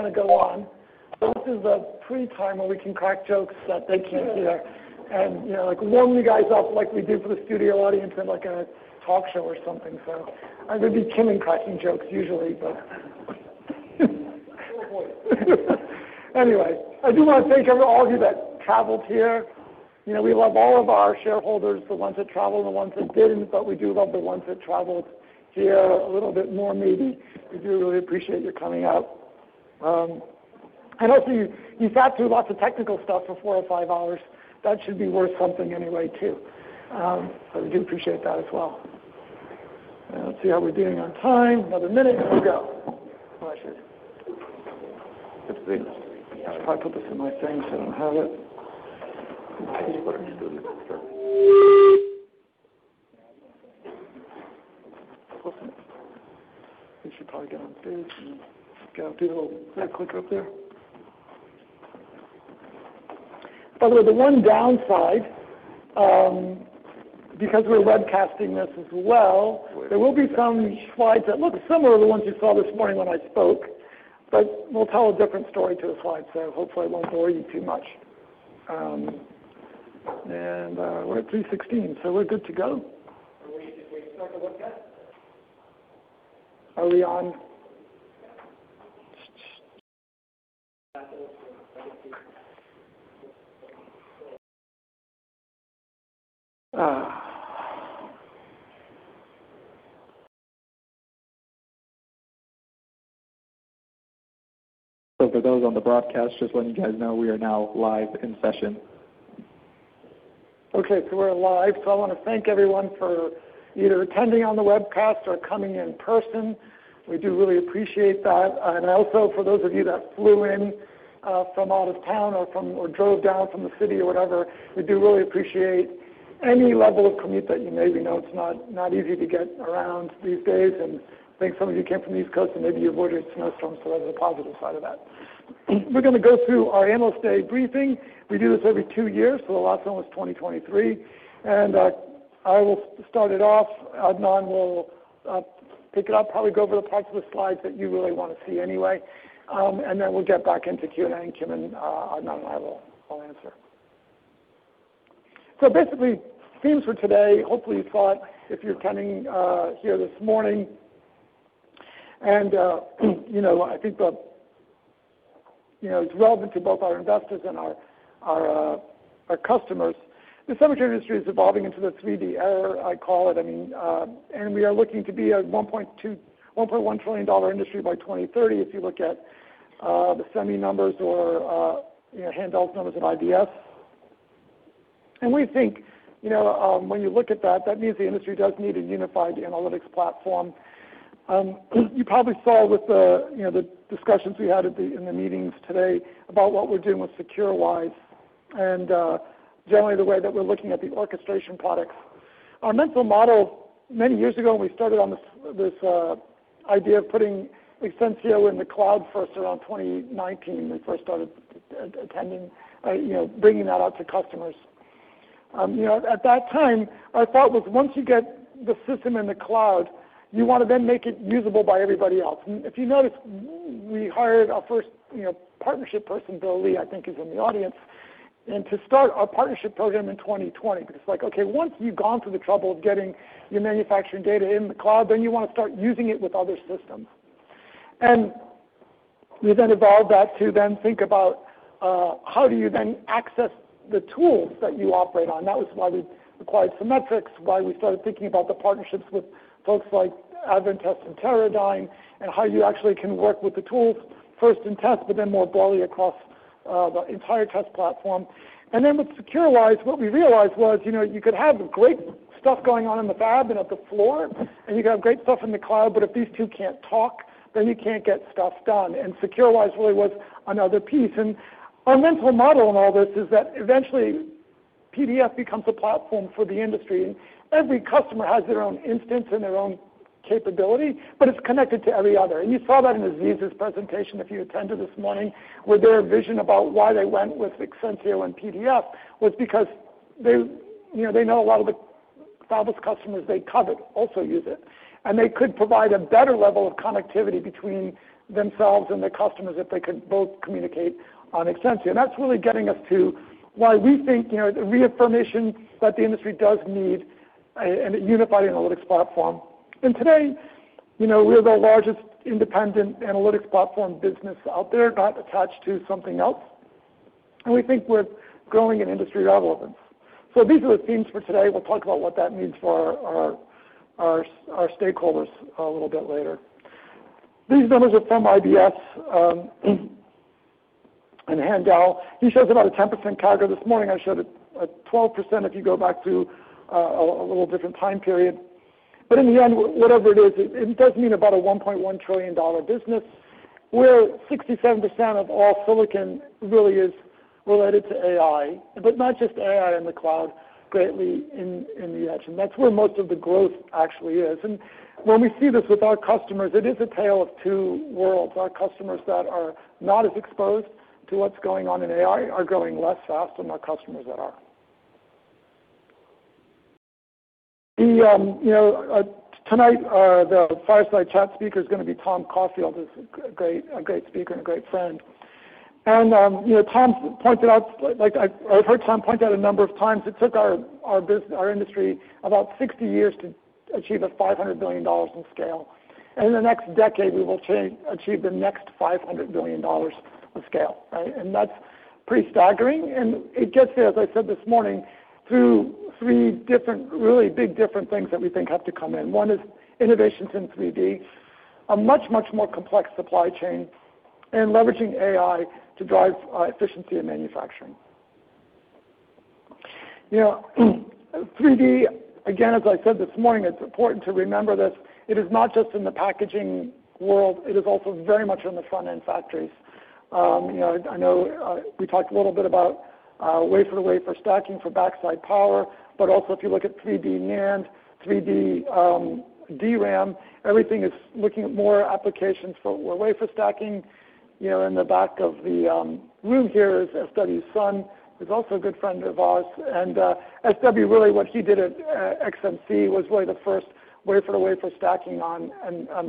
Gonna go on, but this is a pre-timer. We can crack jokes that they can't hear and, you know, like, warm you guys up like we do for the studio audience in, like, a talk show or something, so I'm gonna be keep on cracking jokes usually, but. Kill the voice. [inaudible] Anyway, I do wanna thank all of you that traveled here. You know, we love all of our shareholders, the ones that traveled and the ones that didn't, but we do love the ones that traveled here a little bit more maybe. We do really appreciate your coming out, and also you sat through lots of technical stuff for four or five hours. That should be worth something anyway too, so we do appreciate that as well, and let's see how we're doing on time. Another minute. Here we go. Oh, I should. That's great. I should probably put this in my thing so I don't have it. I just put it in the store. [inaudible] We should probably get on this and go do a little clicker up there. By the way, the one downside, because we're webcasting this as well. Wait. There will be some slides that look similar to the ones you saw this morning when I spoke, but we'll tell a different story to the slides, so hopefully it won't bore you too much, and we're at 3:16 P.M., so we're good to go. Are we starting to look good? Are we on? For those on the broadcast, just letting you guys know we are now live in session. Okay. We're live. I want to thank everyone for either attending on the webcast or coming in person. We do really appreciate that. And also, for those of you that flew in from out of town or drove down from the city or whatever, we do really appreciate any level of commute that you may. We know it's not easy to get around these days. And I think some of you came from the East Coast, and maybe you avoided snowstorms, so that's the positive side of that. We're going to go through our Analyst Day briefing. We do this every two years, so the last one was 2023. I will start it off. Adnan will pick it up, probably go over the parts of the slides that you really want to see anyway. And then we'll get back into Q&A, and Kimon, Adnan and I will answer. So basically, themes for today, hopefully you saw it if you're attending here this morning. And you know, I think, you know, it's relevant to both our investors and our customers. The semiconductor industry is evolving into the 3D era, I call it. I mean, and we are looking to be a $1.2 or $1.1 trillion-dollar industry by 2030 if you look at the semi numbers or, you know, headline numbers of IBS. And we think, you know, when you look at that, that means the industry does need a unified analytics platform. You probably saw with the, you know, discussions we had in the meetings today about what we're doing with SecureWISE and generally the way that we're looking at the orchestration products. Our mental model many years ago, and we started on this idea of putting Exensio in the cloud first around 2019. We first started attempting, you know, bringing that out to customers. You know, at that time, our thought was once you get the system in the cloud, you wanna then make it usable by everybody else. And if you notice, we hired our first, you know, partnership person, Bill Lee. I think he is in the audience, and to start our partnership program in 2020, because it's like, okay, once you've gone through the trouble of getting your manufacturing data in the cloud, then you wanna start using it with other systems. And we then evolved that to then think about, how do you then access the tools that you operate on? That was why we acquired Cimetrix, why we started thinking about the partnerships with folks like Advantest and Teradyne, and how you actually can work with the tools first in test but then more broadly across the entire test platform and then with SecureWISE, what we realized was, you know, you could have great stuff going on in the fab and at the floor, and you could have great stuff in the cloud, but if these two can't talk, then you can't get stuff done, and SecureWISE really was another piece and our mental model in all this is that eventually PDF becomes a platform for the industry and every customer has their own instance and their own capability, but it's connected to every other. You saw that in Aziz's presentation if you attended this morning, where their vision about why they went with Exensio and PDF was because they, you know, they know a lot of the fabless customers they covered also use it. They could provide a better level of connectivity between themselves and their customers if they could both communicate on Exensio. That's really getting us to why we think, you know, the reaffirmation that the industry does need a unified analytics platform. Today, you know, we're the largest independent analytics platform business out there, not attached to something else. We think we're growing in industry relevance. These are the themes for today. We'll talk about what that means for our stakeholders a little bit later. These numbers are from IBS, and Handel. He shows about a 10% CAGR this morning. I showed a 12% if you go back to a little different time period. But in the end, whatever it is, it does mean about a $1.1 trillion business where 67% of all silicon really is related to AI, but not just AI in the cloud, greatly in the edge. And that's where most of the growth actually is. And when we see this with our customers, it is a tale of two worlds. Our customers that are not as exposed to what's going on in AI are growing less fast than our customers that are. You know, tonight the fireside chat speaker's gonna be Tom Caulfield, this great, a great speaker and a great friend. You know, John pointed out, like, I, I've heard John point out a number of times, it took our business, our industry about 60 years to achieve $500 billion in scale. In the next decade, we will achieve the next $500 billion of scale, right? That's pretty staggering. It gets there, as I said this morning, through three different, really big things that we think have to come in. One is innovations in 3D, a much, much more complex supply chain, and leveraging AI to drive efficiency in manufacturing. You know, 3D, again, as I said this morning, it's important to remember this. It is not just in the packaging world. It is also very much in the front-end factories. You know, I know, we talked a little bit about wafer-to-wafer stacking for backside power, but also if you look at 3D NAND, 3D DRAM, everything is looking at more applications for wafer stacking. You know, in the back of the room here is S.W. Sun, who's also a good friend of ours. S.W. really what he did at XMC was really the first wafer-to-wafer stacking on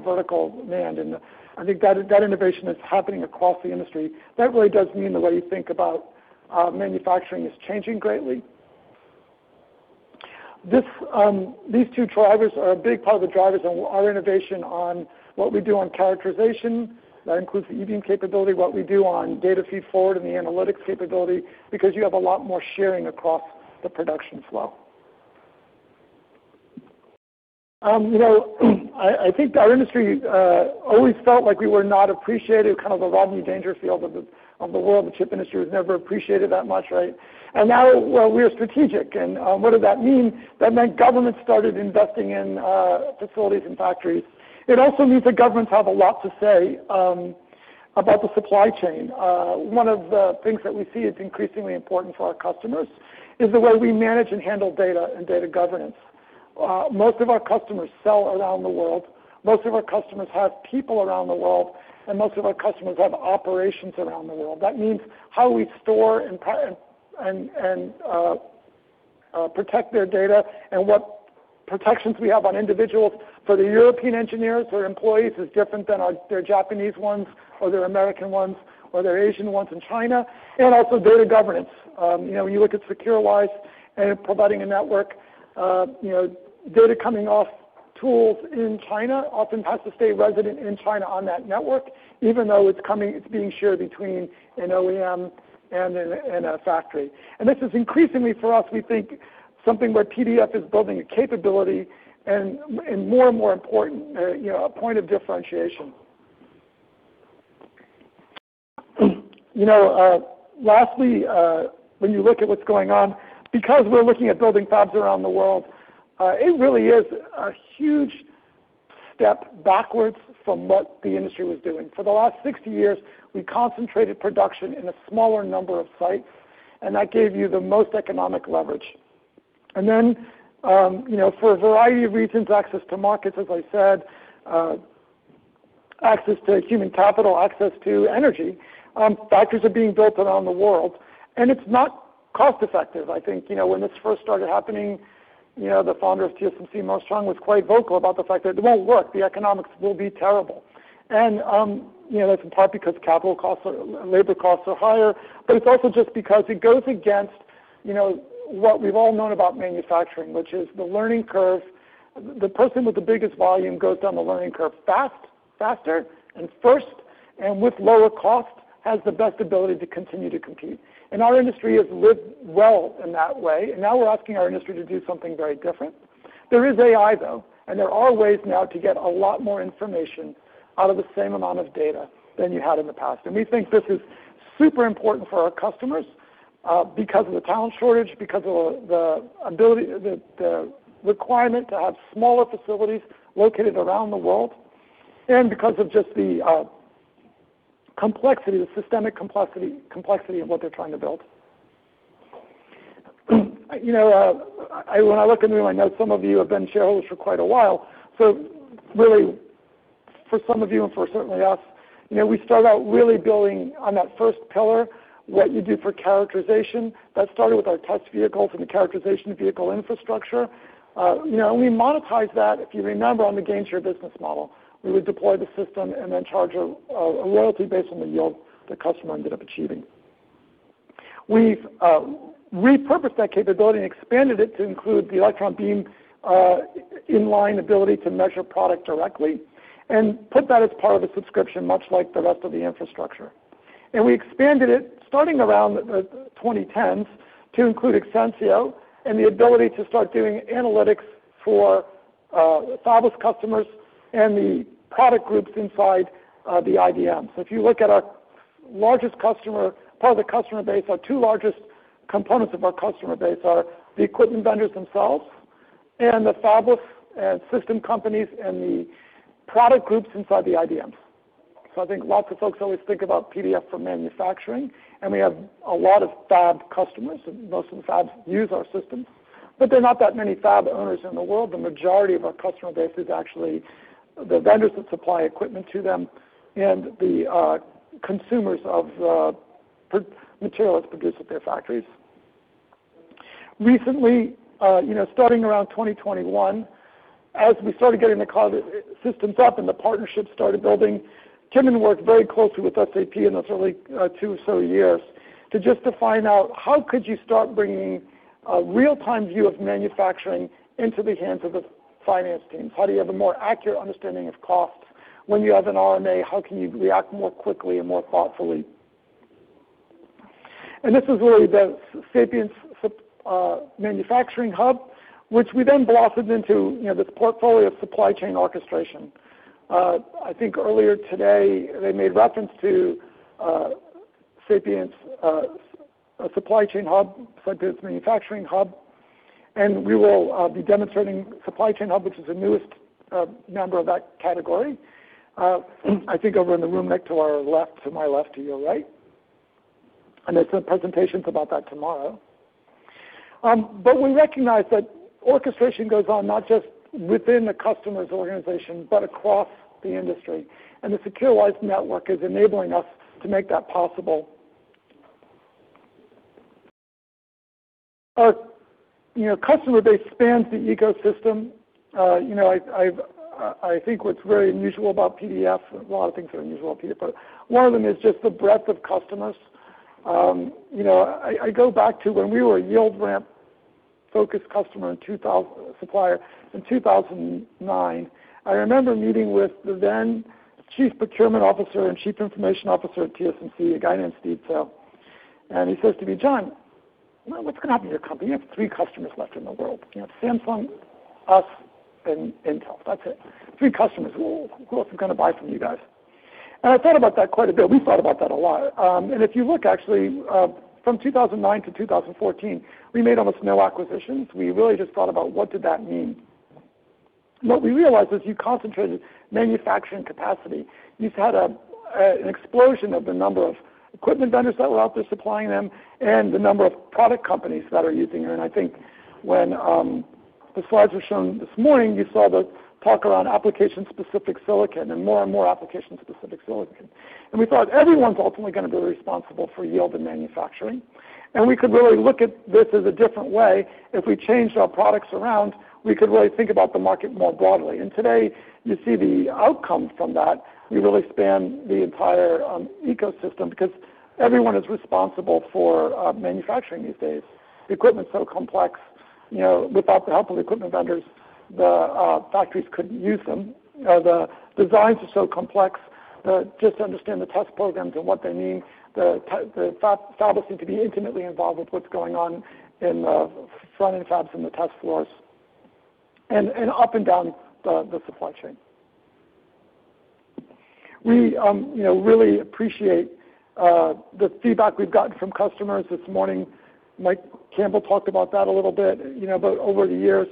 vertical NAND. I think that innovation is happening across the industry. That really does mean the way you think about manufacturing is changing greatly. These two drivers are a big part of the drivers on our innovation on what we do on characterization. That includes the e-beam capability, what we do on Data Feed-Forward and the analytics capability, because you have a lot more sharing across the production flow. You know, I think our industry always felt like we were not appreciated, kind of a Rodney Dangerfield of the world. The chip industry was never appreciated that much, right? And now, well, we are strategic. What did that mean? That meant governments started investing in facilities and factories. It also means that governments have a lot to say about the supply chain. One of the things that we see is increasingly important for our customers is the way we manage and handle data and data governance. Most of our customers sell around the world. Most of our customers have people around the world, and most of our customers have operations around the world. That means how we store and process and protect their data and what protections we have on individuals for the European engineers or employees is different than their Japanese ones or their American ones or their Asian ones in China, and also data governance. You know, when you look at SecureWISE and providing a network, you know, data coming off tools in China often has to stay resident in China on that network, even though it's coming, it's being shared between an OEM and a factory. And this is increasingly for us, we think, something where PDF is building a capability and more and more important, you know, a point of differentiation. You know, lastly, when you look at what's going on, because we're looking at building fabs around the world, it really is a huge step backwards from what the industry was doing. For the last 60 years, we concentrated production in a smaller number of sites, and that gave you the most economic leverage and then, you know, for a variety of reasons, access to markets, as I said, access to human capital, access to energy, factories are being built around the world, and it's not cost-effective, I think. You know, when this first started happening, you know, the founder of TSMC, Morris Chang, was quite vocal about the fact that it won't work. The economics will be terrible, and, you know, that's in part because capital costs are, labor costs are higher, but it's also just because it goes against, you know, what we've all known about manufacturing, which is the learning curve. The person with the biggest volume goes down the learning curve fast, faster, and first, and with lower cost has the best ability to continue to compete. Our industry has lived well in that way. Now we're asking our industry to do something very different. There is AI, though, and there are ways now to get a lot more information out of the same amount of data than you had in the past. We think this is super important for our customers, because of the talent shortage, because of the ability, the requirement to have smaller facilities located around the world, and because of just the complexity, the systemic complexity of what they're trying to build. You know, I, when I look at me, I know some of you have been shareholders for quite a while. So really, for some of you and for certainly us, you know, we start out really building on that first pillar, what you do for characterization. That started with our test vehicles and the Characterization Vehicle infrastructure, you know, and we monetized that, if you remember, on the GainShare business model. We would deploy the system and then charge a royalty based on the yield the customer ended up achieving. We've repurposed that capability and expanded it to include the electron beam inline ability to measure product directly and put that as part of a subscription, much like the rest of the infrastructure, and we expanded it starting around the 2010s to include Exensio and the ability to start doing analytics for fabless customers and the product groups inside the IDMs. So if you look at our largest customer, part of the customer base, our two largest components of our customer base are the equipment vendors themselves and the fabless and system companies and the product groups inside the IDMs. So I think lots of folks always think about PDF for manufacturing, and we have a lot of fab customers, and most of the fabs use our systems, but there are not that many fab owners in the world. The majority of our customer base is actually the vendors that supply equipment to them and the consumers of the product material that's produced at their factories. Recently, you know, starting around 2021, as we started getting the cloud systems up and the partnerships started building, Kimon worked very closely with SAP in those early, two or so years to just define out how could you start bringing a real-time view of manufacturing into the hands of the finance teams. How do you have a more accurate understanding of costs? When you have an RMA, how can you react more quickly and more thoughtfully? This is really the Exensio's Manufacturing Hub, which we then blossomed into, you know, this portfolio of supply chain orchestration. I think earlier today, they made reference to Exensio Supply Chain Hub, Exensio Manufacturing Hub, and we will be demonstrating Supply Chain Hub, which is the newest member of that category. I think over in the room next to our left, to my left, to your right. There's some presentations about that tomorrow, but we recognize that orchestration goes on not just within the customer's organization but across the industry. The SecureWISE network is enabling us to make that possible. Our you know, customer base spans the ecosystem. You know, I, I've, I think what's very unusual about PDF, a lot of things are unusual about PDF, but one of them is just the breadth of customers. You know, I, I go back to when we were a yield ramp-focused customer in 2000, supplier in 2009. I remember meeting with the then Chief Procurement Officer and Chief Information Officer at TSMC, a guy named Steve Tso. And he says to me, "John, what's gonna happen to your company? You have three customers left in the world, you know, Samsung, us, and Intel. That's it. Three customers. Who else is gonna buy from you guys?" And I thought about that quite a bit. We thought about that a lot. And if you look, actually, from 2009 to 2014, we made almost no acquisitions. We really just thought about what did that mean. What we realized is you concentrated manufacturing capacity. You just had a, an explosion of the number of equipment vendors that were out there supplying them and the number of product companies that are using it. And I think when the slides were shown this morning, you saw the talk around application-specific silicon and more and more application-specific silicon. And we thought everyone's ultimately gonna be responsible for yield and manufacturing. And we could really look at this as a different way. If we changed our products around, we could really think about the market more broadly. And today, you see the outcome from that. We really span the entire ecosystem because everyone is responsible for manufacturing these days. Equipment's so complex, you know, without the help of equipment vendors, the factories couldn't use them. The designs are so complex that just to understand the test programs and what they mean, the fab, fabless need to be intimately involved with what's going on in the front-end fabs and the test floors and up and down the supply chain. We, you know, really appreciate the feedback we've gotten from customers this morning. Mike Campbell talked about that a little bit, you know, but over the years,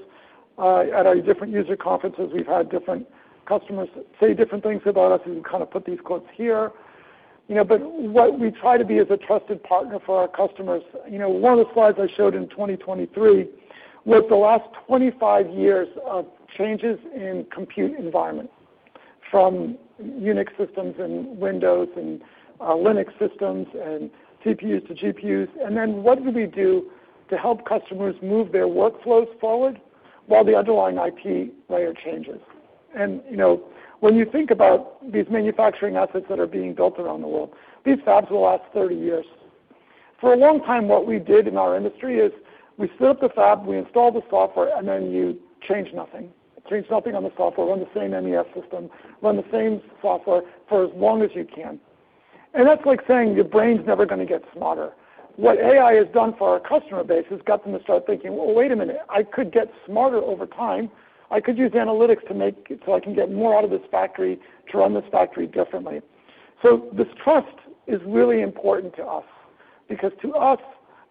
at our different user conferences, we've had different customers say different things about us. We kind of put these quotes here, you know, but what we try to be is a trusted partner for our customers. You know, one of the slides I showed in 2023 was the last 25 years of changes in compute environment from Unix systems and Windows and Linux systems and CPUs to GPUs, and you know, when you think about these manufacturing assets that are being built around the world, these fabs will last 30 years. For a long time, what we did in our industry is we stood up the fab, we installed the software, and then you change nothing. Change nothing on the software, run the same MES system, run the same software for as long as you can. And that's like saying your brain's never gonna get smarter. What AI has done for our customer base is got them to start thinking, "Well, wait a minute, I could get smarter over time. I could use analytics to make so I can get more out of this factory to run this factory differently." So this trust is really important to us because to us,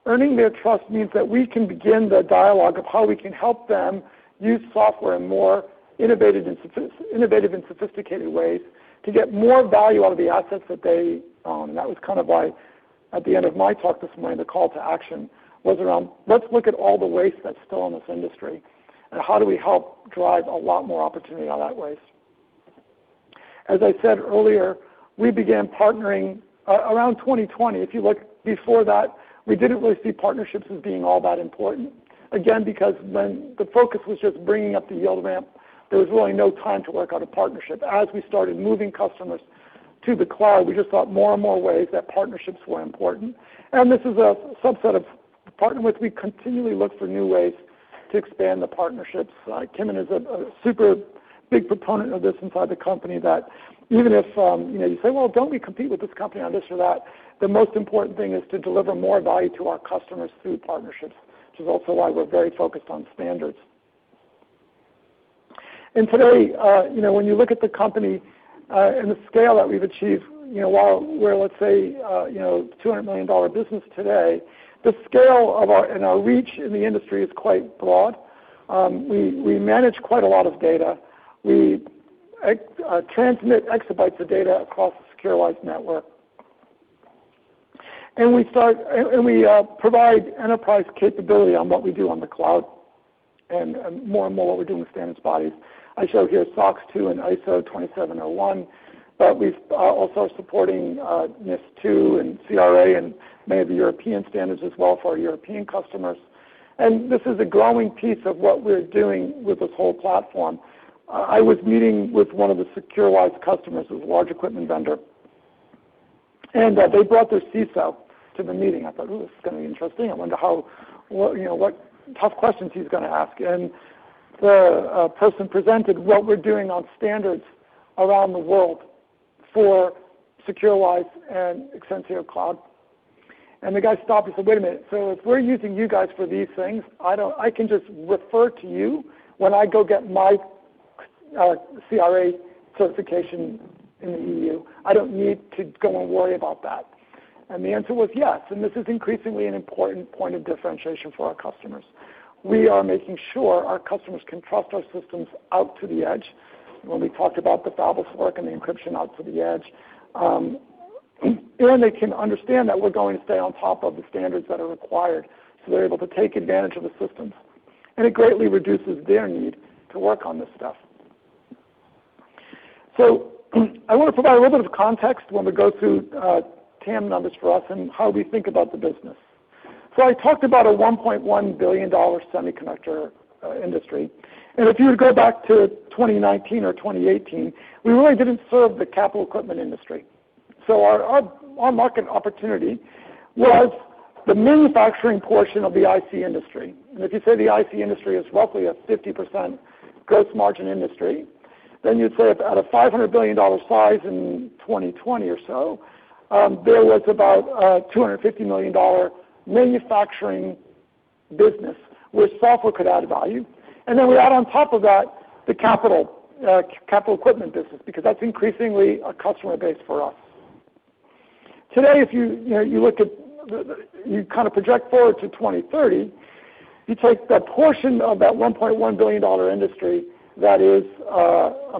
earning their trust means that we can begin the dialogue of how we can help them use software in more innovative and sophisticated ways to get more value out of the assets that they, and that was kind of why at the end of my talk this morning, the call to action was around, "Let's look at all the waste that's still in this industry and how do we help drive a lot more opportunity out of that waste." As I said earlier, we began partnering, around 2020. If you look before that, we didn't really see partnerships as being all that important, again, because when the focus was just bringing up the yield ramp, there was really no time to work out a partnership. As we started moving customers to the cloud, we just thought more and more ways that partnerships were important. And this is a subset of partner with we continually look for new ways to expand the partnerships. Kimon is a super big proponent of this inside the company that even if, you know, you say, "Well, don't we compete with this company on this or that?" The most important thing is to deliver more value to our customers through partnerships, which is also why we're very focused on standards. Today, you know, when you look at the company, and the scale that we've achieved, you know, while we're, let's say, you know, $200 million business today, the scale of our and our reach in the industry is quite broad. We manage quite a lot of data. We transmit exabytes of data across the SecureWISE network. We provide enterprise capability on what we do on the cloud, and more and more what we're doing with standards bodies. I show here SOC 2 and ISO 27001, but we also are supporting NIS2 and CRA and many of the European standards as well for our European customers. This is a growing piece of what we're doing with this whole platform. I was meeting with one of the SecureWISE customers who's a large equipment vendor, and they brought their CSOC to the meeting. I thought, "Oh, this is gonna be interesting. I wonder how, what, you know, what tough questions he's gonna ask." And the person presented what we're doing on standards around the world for SecureWISE and Exensio Cloud. And the guy stopped and said, "Wait a minute. So if we're using you guys for these things, I can just refer to you when I go get my CRA certification in the EU. I don't need to go and worry about that." And the answer was yes. And this is increasingly an important point of differentiation for our customers. We are making sure our customers can trust our systems out to the edge. When we talked about the fabless work and the encryption out to the edge, and they can understand that we're going to stay on top of the standards that are required so they're able to take advantage of the systems. It greatly reduces their need to work on this stuff. I want to provide a little bit of context when we go through TAM numbers for us and how we think about the business. I talked about a $1.1 billion semiconductor industry. If you would go back to 2019 or 2018, we really didn't serve the capital equipment industry. Our market opportunity was the manufacturing portion of the IC industry. If you say the IC industry is roughly a 50% gross margin industry, then you'd say at a $500 billion size in 2020 or so, there was about a $250 million manufacturing business where software could add value. Then we add on top of that the capital equipment business because that's increasingly a customer base for us. Today, if you know, you look at the, you kind of project forward to 2030, you take the portion of that $1.1 billion industry that is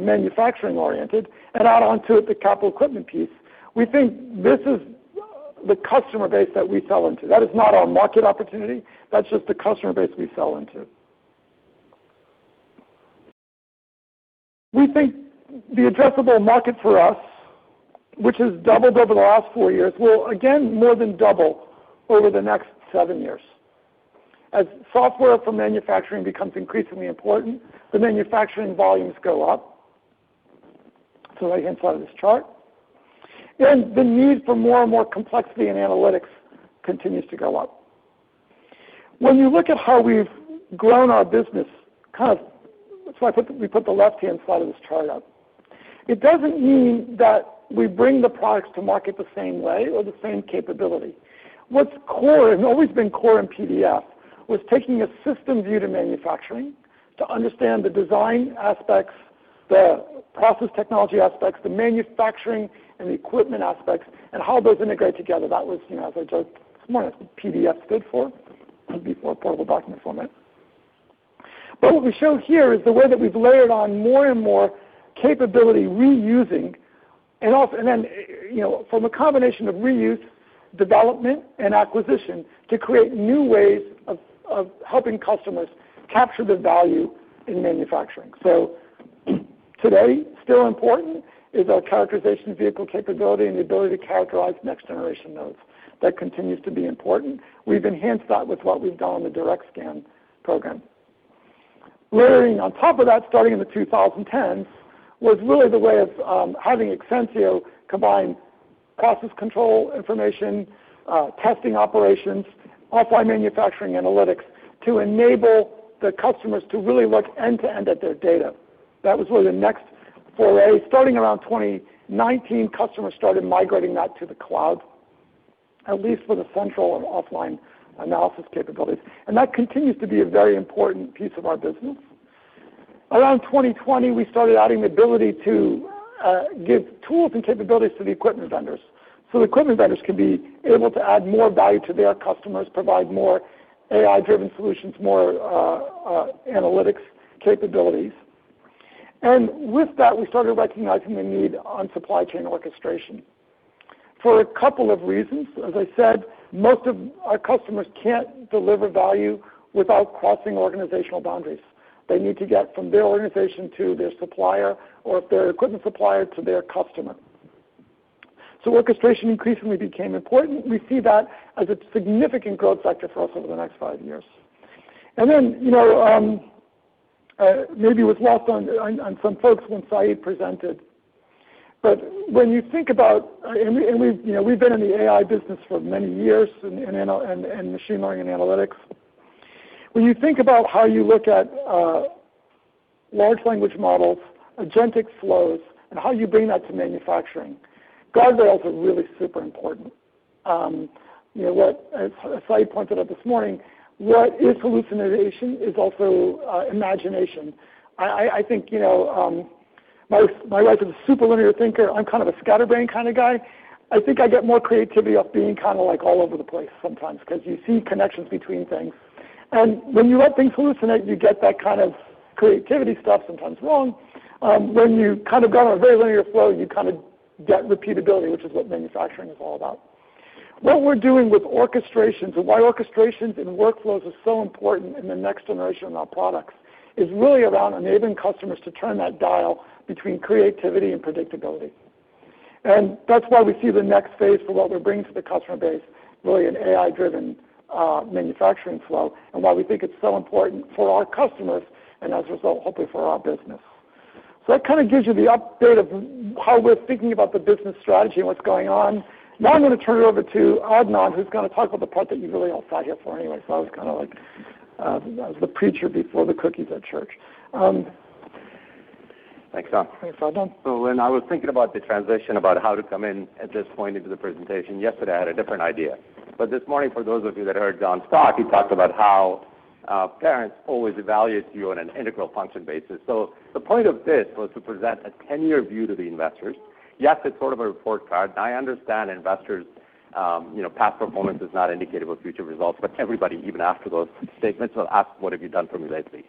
manufacturing-oriented and add onto it the capital equipment piece. We think this is the customer base that we sell into. That is not our market opportunity. That's just the customer base we sell into. We think the addressable market for us, which has doubled over the last four years, will again more than double over the next seven years. As software for manufacturing becomes increasingly important, the manufacturing volumes go up. To the right-hand side of this chart. And the need for more and more complexity and analytics continues to go up. When you look at how we've grown our business, kind of, we put the left-hand side of this chart up. It doesn't mean that we bring the products to market the same way or the same capability. What's core and always been core in PDF was taking a system view to manufacturing to understand the design aspects, the process technology aspects, the manufacturing and the equipment aspects, and how those integrate together. That was, you know, as I joked this morning, PDF stood for before portable document format. What we show here is the way that we've layered on more and more capability reusing, and then, you know, from a combination of reuse, development, and acquisition to create new ways of helping customers capture the value in manufacturing. Today, still important is our Characterization Vehicle capability and the ability to characterize next-generation nodes. That continues to be important. We've enhanced that with what we've done on the DirectScan program. Layering on top of that, starting in the 2010s, was really the way of having Exensio combine process control information, testing operations, offline manufacturing analytics to enable the customers to really look end-to-end at their data. That was really the next foray. Starting around 2019, customers started migrating that to the cloud, at least for the central and offline analysis capabilities. That continues to be a very important piece of our business. Around 2020, we started adding the ability to give tools and capabilities to the equipment vendors so the equipment vendors can be able to add more value to their customers, provide more AI-driven solutions, more analytics capabilities. And with that, we started recognizing the need on supply chain orchestration for a couple of reasons. As I said, most of our customers can't deliver value without crossing organizational boundaries. They need to get from their organization to their supplier or, if they're an equipment supplier, to their customer. So orchestration increasingly became important. We see that as a significant growth factor for us over the next five years. And then, you know, maybe it was lost on some folks when Saeed presented. But when you think about and we, you know, we've been in the AI business for many years and machine learning and analytics. When you think about how you look at large language models, agentic flows, and how you bring that to manufacturing, guardrails are really super important. You know, what Saeed pointed out this morning, what is hallucination is also imagination. I think, you know, my wife is a super linear thinker. I'm kind of a scatterbrained kind of guy. I think I get more creativity off being kind of like all over the place sometimes 'cause you see connections between things. And when you let things hallucinate, you get that kind of creativity stuff sometimes wrong. When you kind of go on a very linear flow, you kind of get repeatability, which is what manufacturing is all about. What we're doing with orchestrations and why orchestrations and workflows are so important in the next generation of our products is really around enabling customers to turn that dial between creativity and predictability. And that's why we see the next phase for what we're bringing to the customer base, really an AI-driven manufacturing flow and why we think it's so important for our customers and, as a result, hopefully for our business. So that kind of gives you the update of how we're thinking about the business strategy and what's going on. Now I'm gonna turn it over to Adnan, who's gonna talk about the part that you really all sat here for anyway. So I was kind of like, I was the preacher before the cookies at church. Thanks, John. Thanks, Adnan. So when I was thinking about the transition, about how to come in at this point into the presentation, yesterday I had a different idea. But this morning, for those of you that heard Don Stark, he talked about how parents always evaluate you on an integral function basis. So the point of this was to present a 10-year view to the investors. Yes, it's sort of a report card. I understand investors, you know, past performance is not indicative of future results, but everybody, even after those statements, will ask, "What have you done for me lately?"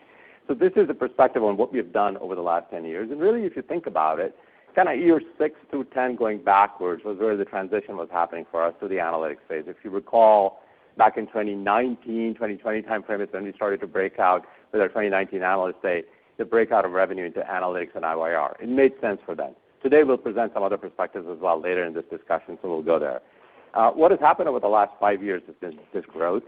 So this is the perspective on what we have done over the last 10 years. And really, if you think about it, kind of year six through 10 going backwards was where the transition was happening for us to the analytics phase. If you recall, back in 2019, 2020 timeframe, it's when we started to break out with our 2019 Analyst Day, the breakout of revenue into analytics and IYR. It made sense for them. Today, we'll present some other perspectives as well later in this discussion, so we'll go there. What has happened over the last five years has been this growth.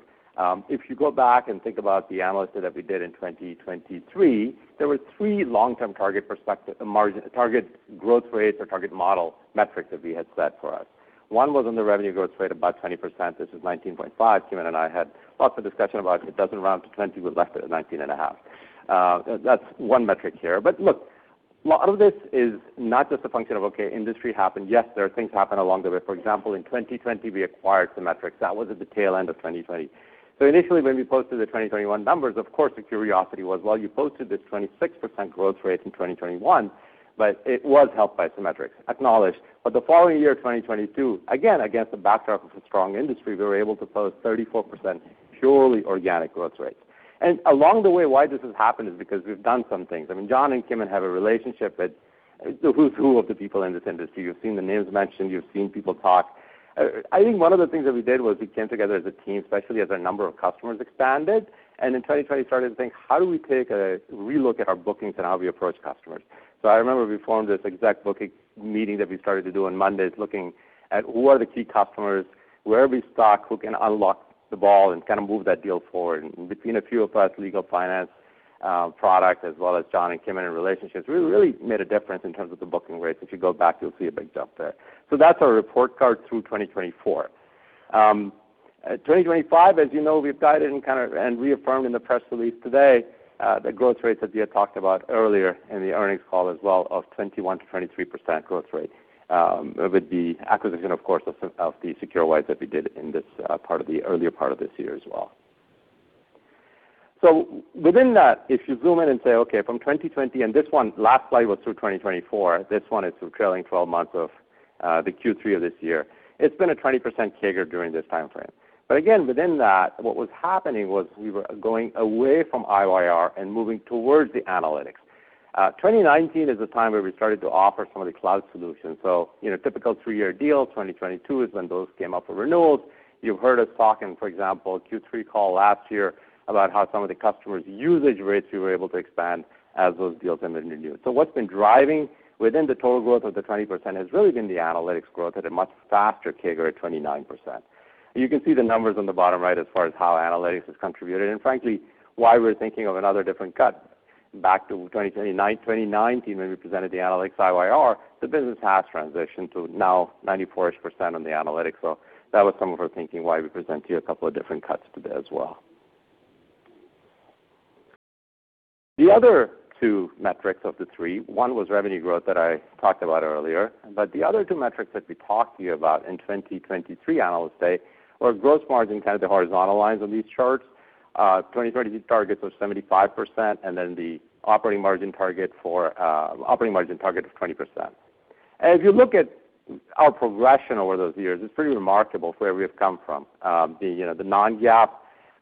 If you go back and think about the analysis that we did in 2023, there were three long-term target perspective, margin target growth rates or target model metrics that we had set for us. One was on the revenue growth rate, about 20%. This was 19.5%. Kimon and I had lots of discussion about it. It doesn't round to 20. We left it at 19 and a half. That's one metric here. But look, a lot of this is not just a function of, "Okay, industry happened." Yes, there are things happened along the way. For example, in 2020, we acquired Cimetrix. That was at the tail end of 2020. So initially, when we posted the 2021 numbers, of course, the curiosity was, "Well, you posted this 26% growth rate in 2021, but it was helped by Cimetrix." Acknowledged. But the following year, 2022, again, against the backdrop of a strong industry, we were able to post 34% purely organic growth rates. And along the way, why this has happened is because we've done some things. I mean, John and Kimon have a relationship that he who's who of the people in this industry. You've seen the names mentioned. You've seen people talk. I think one of the things that we did was we came together as a team, especially as our number of customers expanded. And in 2020, we started to think, "How do we take a relook at our bookings and how we approach customers?" So I remember we formed this exec booking meeting that we started to do on Mondays, looking at who are the key customers, where are we stuck, who can unlock the ball and kind of move that deal forward. And between a few of us, legal finance, product, as well as John and Kimon and relationships, we really made a difference in terms of the booking rates. If you go back, you'll see a big jump there. So that's our report card through 2024. 2025, as you know, we've guided and kind of reaffirmed in the press release today the growth rates that we had talked about earlier in the earnings call as well of 21%-23% growth rate, with the acquisition, of course, of the SecureWISE that we did in this part of the earlier part of this year as well. So within that, if you zoom in and say, "Okay, from 2020," and this one, last slide was through 2024. This one is trailing 12 months of the Q3 of this year. It's been a 20% kicker during this timeframe. But again, within that, what was happening was we were going away from IYR and moving towards the analytics. 2019 is the time where we started to offer some of the cloud solutions. So, you know, typical three-year deal. 2022 is when those came up for renewals. You've heard us talk in, for example, Q3 call last year about how some of the customers' usage rates we were able to expand as those deals ended in renewal. So what's been driving within the total growth of the 20% has really been the analytics growth at a much faster kicker at 29%. You can see the numbers on the bottom right as far as how analytics has contributed and, frankly, why we're thinking of another different cut. Back to 2029, 2019, when we presented the analytics IYR, the business has transitioned to now 94-ish% on the analytics. So that was some of our thinking why we presented you a couple of different cuts to that as well. The other two metrics of the three, one was revenue growth that I talked about earlier. But the other two metrics that we talked to you about in 2023 Analyst Day were gross margin, kind of the horizontal lines on these charts: 2023 targets of 75% and then the operating margin target of 20%. And if you look at our progression over those years, it's pretty remarkable for where we have come from. You know, the non-GAAP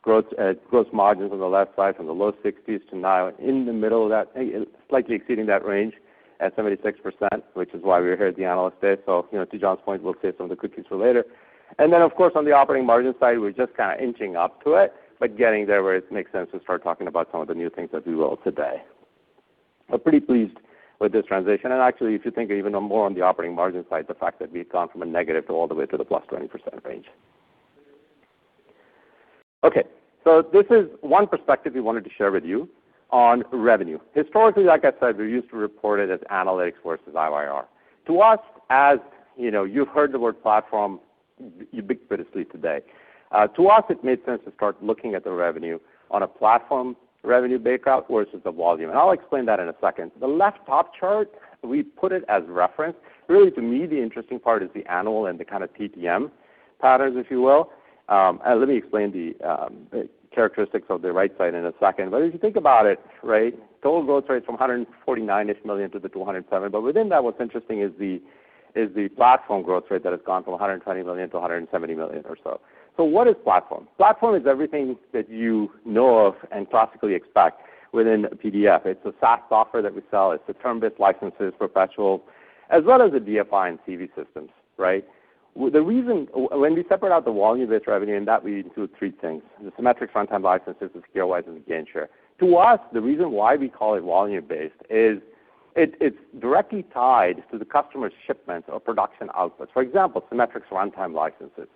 gross margins on the left side from the low 60s to now in the middle of that, slightly exceeding that range at 76%, which is why we're here at the Analyst Day. So, you know, to John's point, we'll save some of the cookies for later. And then, of course, on the operating margin side, we're just kind of inching up to it, but getting there where it makes sense to start talking about some of the new things that we will today. We're pretty pleased with this transition, and actually, if you think even more on the operating margin side, the fact that we've gone from a negative to all the way to the plus 20% range. Okay, so this is one perspective we wanted to share with you on revenue. Historically, like I said, we used to report it as analytics versus IYR. To us, as you know, you've heard the word platform ubiquitously today, to us, it made sense to start looking at the revenue on a platform revenue breakout versus the volume. And I'll explain that in a second. The left top chart, we put it as reference. Really, to me, the interesting part is the annual and the kind of TTM patterns, if you will, and let me explain the characteristics of the right side in a second. But if you think about it, right, total growth rate from $149 million-to the $207 million. But within that, what's interesting is the platform growth rate that has gone from $120 million to $170 million or so. So what is platform? Platform is everything that you know of and classically expect within PDF. It's a SaaS offer that we sell. It's the term-based licenses, perpetual, as well as the DFI and CV systems, right? The reason when we separate out the volume-based revenue and that we include three things: the Cimetrix runtime licenses, the SecureWISE, and the GainShare. To us, the reason why we call it volume-based is it's directly tied to the customer's shipment or production outputs. For example, Cimetrix runtime licenses.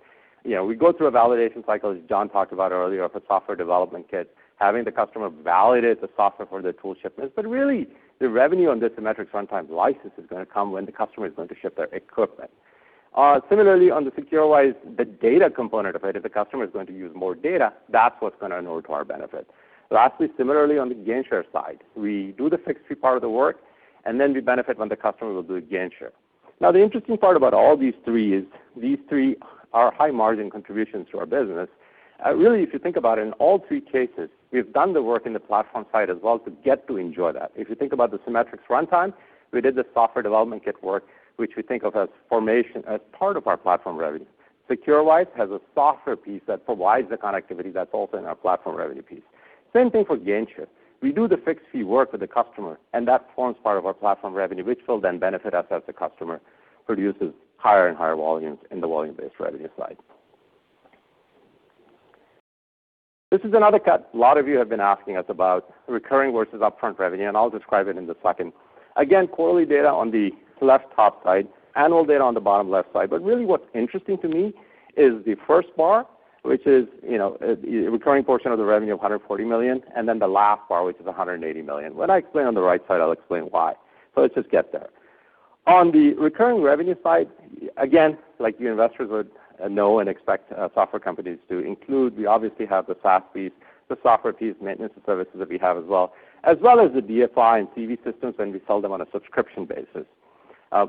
You know, we go through a validation cycle, as John talked about earlier, of a software development kit, having the customer validate the software for the tool shipments. But really, the revenue on the Cimetrix runtime license is gonna come when the customer is going to ship their equipment. Similarly, on the SecureWISE, the data component of it, if the customer is going to use more data, that's what's gonna inure to our benefit. Lastly, similarly, on the GainShare side, we do the fixed fee part of the work, and then we benefit when the customer will do the GainShare. Now, the interesting part about all these three is these three are high-margin contributions to our business. Really, if you think about it, in all three cases, we've done the work in the platform side as well to get to enjoy that. If you think about the Cimetrix runtime, we did the software development kit work, which we think of as formation as part of our platform revenue. SecureWISE has a software piece that provides the connectivity that's also in our platform revenue piece. Same thing for GainShare. We do the fixed fee work with the customer, and that forms part of our platform revenue, which will then benefit us as the customer produces higher and higher volumes in the volume-based revenue side. This is another cut a lot of you have been asking us about recurring versus upfront revenue, and I'll describe it in the second. Again, quarterly data on the left top side, annual data on the bottom left side. But really, what's interesting to me is the first bar, which is, you know, the recurring portion of the revenue of $140 million, and then the last bar, which is $180 million. When I explain on the right side, I'll explain why. So let's just get there. On the recurring revenue side, again, like you investors would know and expect, software companies to include, we obviously have the SaaS piece, the software piece, maintenance and services that we have as well, as well as the DFI and CV systems when we sell them on a subscription basis.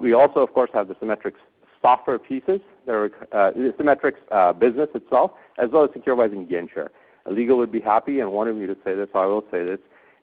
We also, of course, have the Cimetrix software pieces. There are, the Cimetrix, business itself, as well as SecureWISE and GainShare. Legal would be happy and wanted me to say this, so I will say this.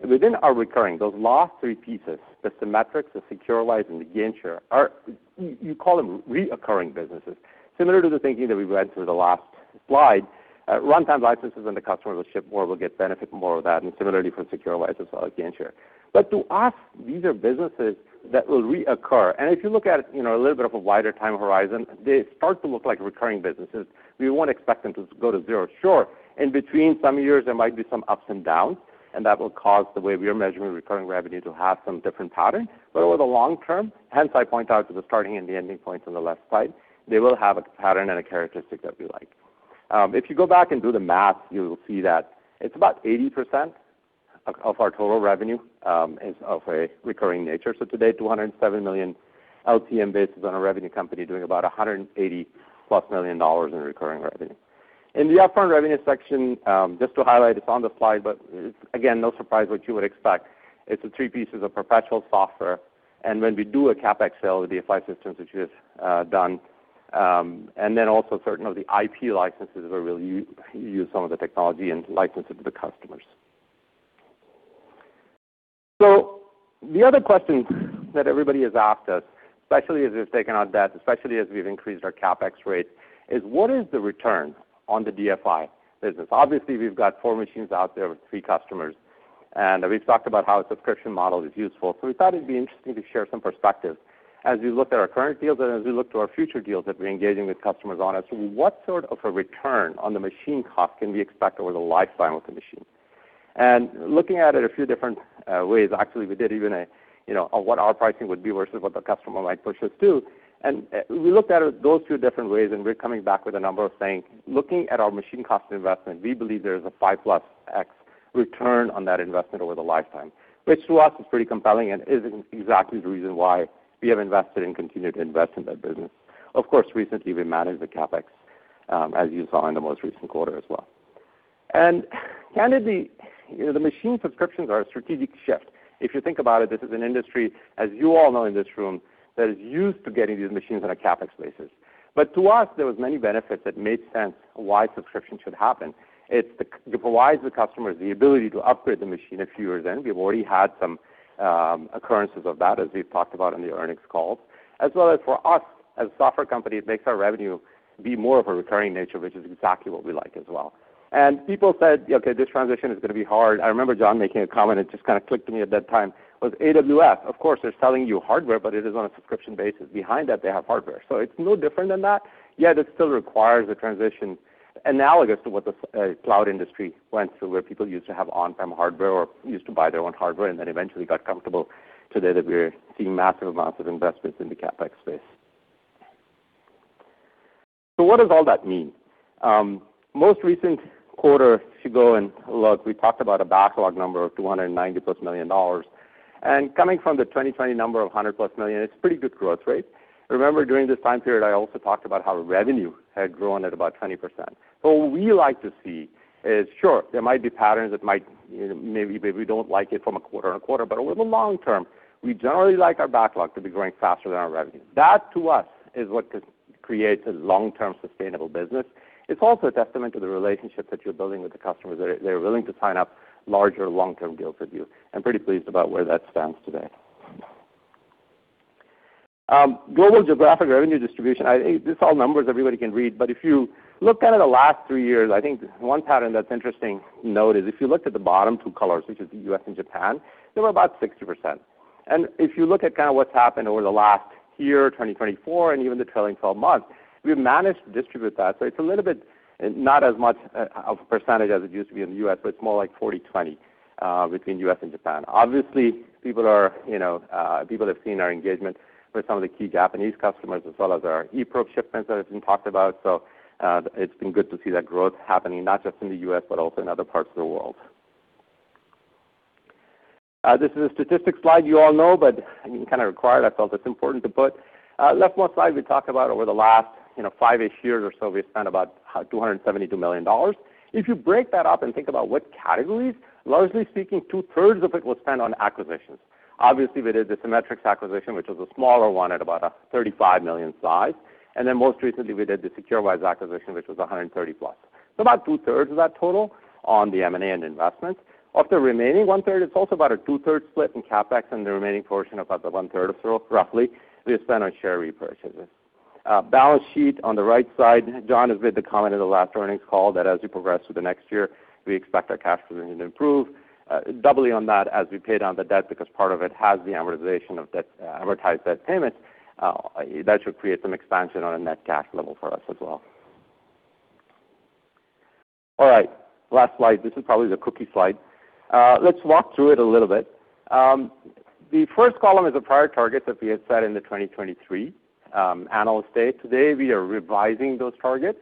Within our recurring, those last three pieces, the Cimetrix, the SecureWISE, and the GainShare, are what you call them recurring businesses. Similar to the thinking that we went through the last slide, runtime licenses and the customer will ship more will get benefit more of that. And similarly for SecureWISE as well, GainShare. But to us, these are businesses that will recur. And if you look at, you know, a little bit of a wider time horizon, they start to look like recurring businesses. We won't expect them to go to zero. Sure, in between some years, there might be some ups and downs, and that will cause the way we are measuring recurring revenue to have some different pattern. But over the long term, hence I point out to the starting and the ending points on the left side, they will have a pattern and a characteristic that we like. If you go back and do the math, you will see that it's about 80% of our total revenue is of a recurring nature. So today, $207 million LTM basis on a revenue company doing about $180-plus million in recurring revenue. In the upfront revenue section, just to highlight, it's on the slide, but it's again, no surprise what you would expect. It's the three pieces of perpetual software. And when we do a CapEx sale with the DFI systems, which we have done, and then also certain of the IP licenses where we'll use some of the technology and license it to the customers. So the other question that everybody has asked us, especially as we've taken on debt, especially as we've increased our CapEx rate, is what is the return on the DFI business? Obviously, we've got four machines out there with three customers, and we've talked about how a subscription model is useful. So we thought it'd be interesting to share some perspectives as we look at our current deals and as we look to our future deals that we're engaging with customers on. So what sort of a return on the machine cost can we expect over the lifetime of the machine? And looking at it a few different ways, actually, we did even, you know, of what our pricing would be versus what the customer might push us to. We looked at it those two different ways, and we're coming back with a number, saying, looking at our machine cost investment, we believe there is a 5-plus X return on that investment over the lifetime, which to us is pretty compelling and is exactly the reason why we have invested and continued to invest in that business. Of course, recently, we managed the CapEx, as you saw in the most recent quarter as well. Candidly, you know, the machine subscriptions are a strategic shift. If you think about it, this is an industry, as you all know in this room, that is used to getting these machines on a CapEx basis. But to us, there were many benefits that made sense why subscription should happen. It's that it provides the customers the ability to upgrade the machine a few years in. We've already had some occurrences of that, as we've talked about in the earnings calls. As well as for us, as a software company, it makes our revenue be more of a recurring nature, which is exactly what we like as well. And people said, "Okay, this transition is gonna be hard." I remember John making a comment. It just kind of clicked to me at that time. It was AWS. Of course, they're selling you hardware, but it is on a subscription basis. Behind that, they have hardware. So it's no different than that. Yet, it still requires a transition analogous to what the cloud industry went through, where people used to have on-prem hardware or used to buy their own hardware and then eventually got comfortable. Today, that we're seeing massive amounts of investments in the CapEx space. So what does all that mean? Most recent quarter, if you go and look, we talked about a backlog number of $290-plus million. And coming from the 2020 number of 100-plus million, it's a pretty good growth rate. Remember, during this time period, I also talked about how revenue had grown at about 20%. But what we like to see is, sure, there might be patterns that might, you know, maybe we don't like it from a quarter on a quarter, but over the long term, we generally like our backlog to be growing faster than our revenue. That, to us, is what creates a long-term sustainable business. It's also a testament to the relationship that you're building with the customers. They're willing to sign up larger long-term deals with you. I'm pretty pleased about where that stands today. Global geographic revenue distribution. I think this all numbers everybody can read. But if you look at the last three years, I think one pattern that's interesting to note is if you looked at the bottom two colors, which is the U.S. and Japan, they were about 60%. And if you look at what's happened over the last year, 2024, and even the trailing 12 months, we've managed to distribute that. So it's a little bit not as much of a percentage as it used to be in the U.S., but it's more like 40%-20%, between U.S. and Japan. Obviously, people are, you know, people have seen our engagement with some of the key Japanese customers as well as our eProbe shipments that have been talked about. So, it's been good to see that growth happening, not just in the U.S., but also in other parts of the world. This is a statistic slide you all know, but you can kind of require it. I felt it's important to put. Leftmost slide, we talked about over the last, you know, five-ish years or so, we spent about $272 million. If you break that up and think about what categories, largely speaking, two-thirds of it was spent on acquisitions. Obviously, we did the Cimetrix acquisition, which was a smaller one at about a $35 million size. And then most recently, we did the SecureWISE acquisition, which was $130-plus. So about two-thirds of that total on the M&A and investments. Of the remaining one-third, it's also about a two-thirds split in CapEx and the remaining portion of about the one-third or so, roughly, we have spent on share repurchases. Balance sheet on the right side, John has made the comment in the last earnings call that as we progress through the next year, we expect our cash position to improve. Doubly on that, as we paid on the debt, because part of it has the amortization of debt, amortized debt payments, that should create some expansion on a net cash level for us as well. All right. Last slide. This is probably the cookie slide. Let's walk through it a little bit. The first column is the prior targets that we had set in the 2023 Analyst Day. Today, we are revising those targets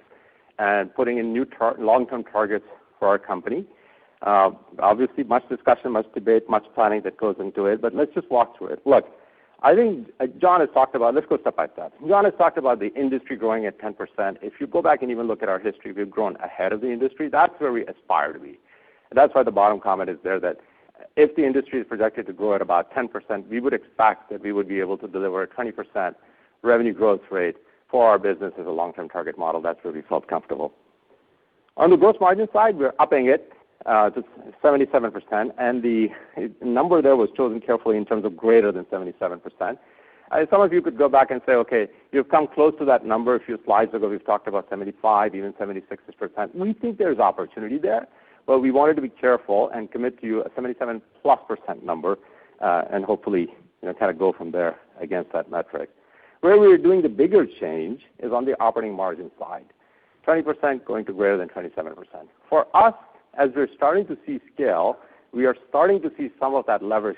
and putting in new long-term targets for our company. Obviously, much discussion, much debate, much planning that goes into it. But let's just walk through it. Look, I think, John has talked about let's go step by step. John has talked about the industry growing at 10%. If you go back and even look at our history, we've grown ahead of the industry. That's where we aspire to be. That's why the bottom comment is there that if the industry is projected to grow at about 10%, we would expect that we would be able to deliver a 20% revenue growth rate for our business as a long-term target model. That's where we felt comfortable. On the gross margin side, we're upping it to 77%. And the number there was chosen carefully in terms of greater than 77%. Some of you could go back and say, "Okay, you've come close to that number." A few slides ago, we've talked about 75, even 76-ish %. We think there's opportunity there, but we wanted to be careful and commit to a 77-plus% number, and hopefully, you know, kind of go from there against that metric. Where we're doing the bigger change is on the operating margin side. 20% going to greater than 27%. For us, as we're starting to see scale, we are starting to see some of that leverage,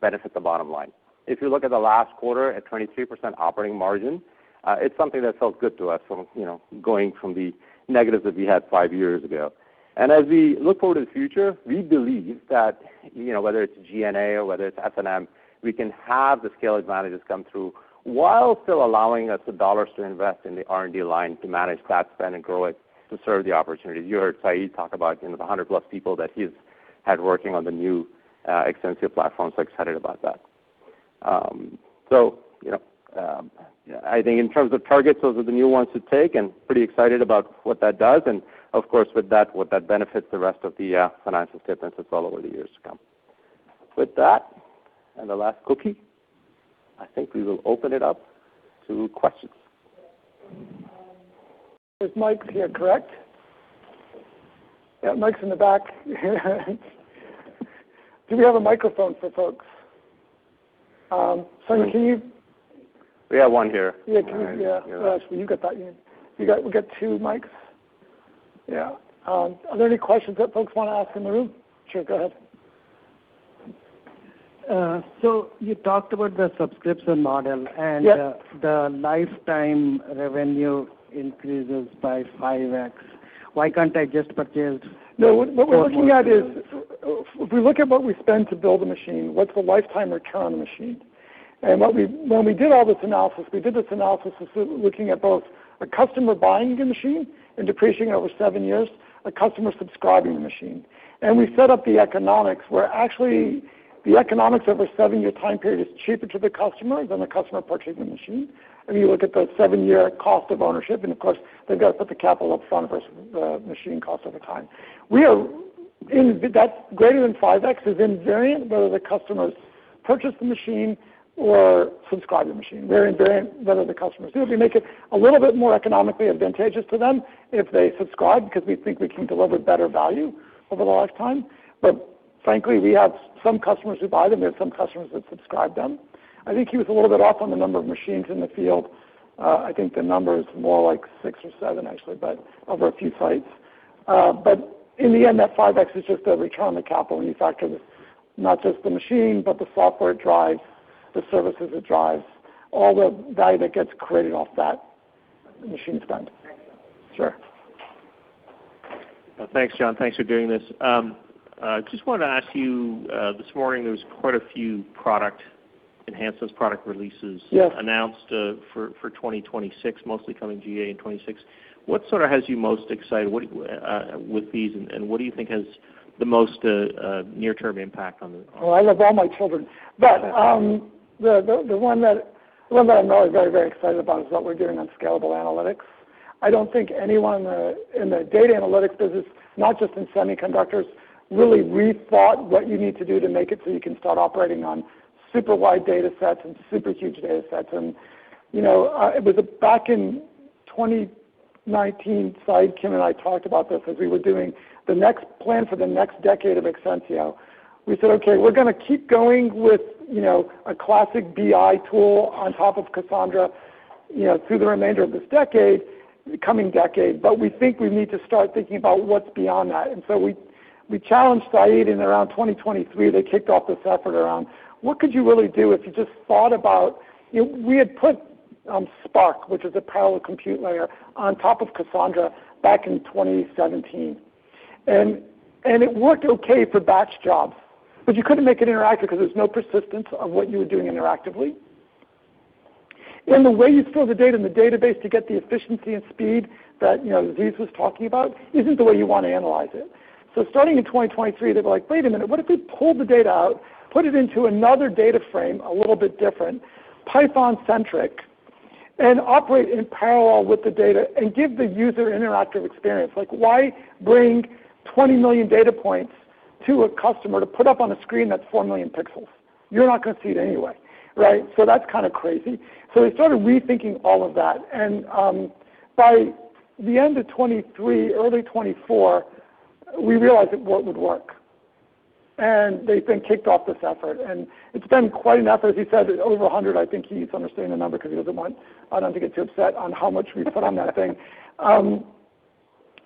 benefit the bottom line. If you look at the last quarter, a 23% operating margin, it's something that felt good to us from, you know, going from the negatives that we had five years ago. As we look forward to the future, we believe that, you know, whether it's G&A or whether it's S&M, we can have the scale advantages come through while still allowing us the dollars to invest in the R&D line to manage that spend and grow it to serve the opportunities. You heard Saeed talk about, you know, the 100-plus people that he's had working on the new Exensio platform. So excited about that. So, you know, I think in terms of targets, those are the new ones to take, and pretty excited about what that does. And of course, with that, what that benefits the rest of the financial statements is all over the years to come. With that, and the last topic, I think we will open it up to questions. Is Mike here? Correct? Yeah, Mike's in the back. Do we have a microphone for folks? Sonny, can you? We have one here. Yeah, can you? Yeah, gosh, well, you got that. We got two mics. Yeah. Are there any questions that folks want to ask in the room? Sure. Go ahead. So you talked about the subscription model and the lifetime revenue increases by 5X. Why can't I just purchase? No, what we're looking at is, if we look at what we spend to build a machine, what's the lifetime return on the machine? And when we did all this analysis, we did this analysis looking at both a customer buying the machine and depreciating over seven years, a customer subscribing the machine. And we set up the economics where actually the economics over a seven-year time period is cheaper to the customer than the customer purchasing the machine. You look at the seven-year cost of ownership, and of course, they've got to put the capital upfront versus the machine cost over time. We are in that greater than 5X is invariant whether the customers purchase the machine or subscribe to the machine. They're invariant whether the customers do. We make it a little bit more economically advantageous to them if they subscribe because we think we can deliver better value over the lifetime. But frankly, we have some customers who buy them. We have some customers that subscribe to them. I think he was a little bit off on the number of machines in the field. I think the number is more like six or seven, actually, but over a few sites. But in the end, that 5X is just the return on the capital when you factor not just the machine, but the software it drives, the services it drives, all the value that gets created off that machine spend. Sure. Well, thanks, John. Thanks for doing this. Just wanted to ask you, this morning, there was quite a few product enhancements, product releases. Yes. Announced for 2026, mostly coming GA in 2026. What sort of has you most excited? What with these and what do you think has the most near-term impact on the? Well, I love all my children. But the one that I'm really, very, very excited about is what we're doing on Scalable Analytics. I don't think anyone, in the data analytics business, not just in semiconductors, really rethought what you need to do to make it so you can start operating on super-wide data sets and super-huge data sets, and you know, it was back in 2019, Saeed, Kim, and I talked about this as we were doing the next plan for the next decade of Exensio. We said, "Okay, we're going to keep going with, you know, a classic BI tool on top of Cassandra, you know, through the remainder of this decade, coming decade," but we think we need to start thinking about what's beyond that, and so we challenged Saeed in around 2023. They kicked off this effort around what could you really do if you just thought about, you know, we had put Spark, which is a parallel compute layer, on top of Cassandra back in 2017. And it worked okay for batch jobs, but you couldn't make it interactive because there's no persistence of what you were doing interactively. And the way you store the data in the database to get the efficiency and speed that, you know, Aziz was talking about isn't the way you want to analyze it. So starting in 2023, they were like, "Wait a minute, what if we pull the data out, put it into another data frame a little bit different, Python-centric, and operate in parallel with the data and give the user interactive experience?" Like, why bring 20 million data points to a customer to put up on a screen that's 4 million pixels? You're not going to see it anyway, right? So that's kind of crazy. So we started rethinking all of that. And, by the end of 2023, early 2024, we realized it would work. They then kicked off this effort. It's been quite an effort. As you said, over 100, I think he's understanding the number because he doesn't want Adam to get too upset on how much we put on that thing.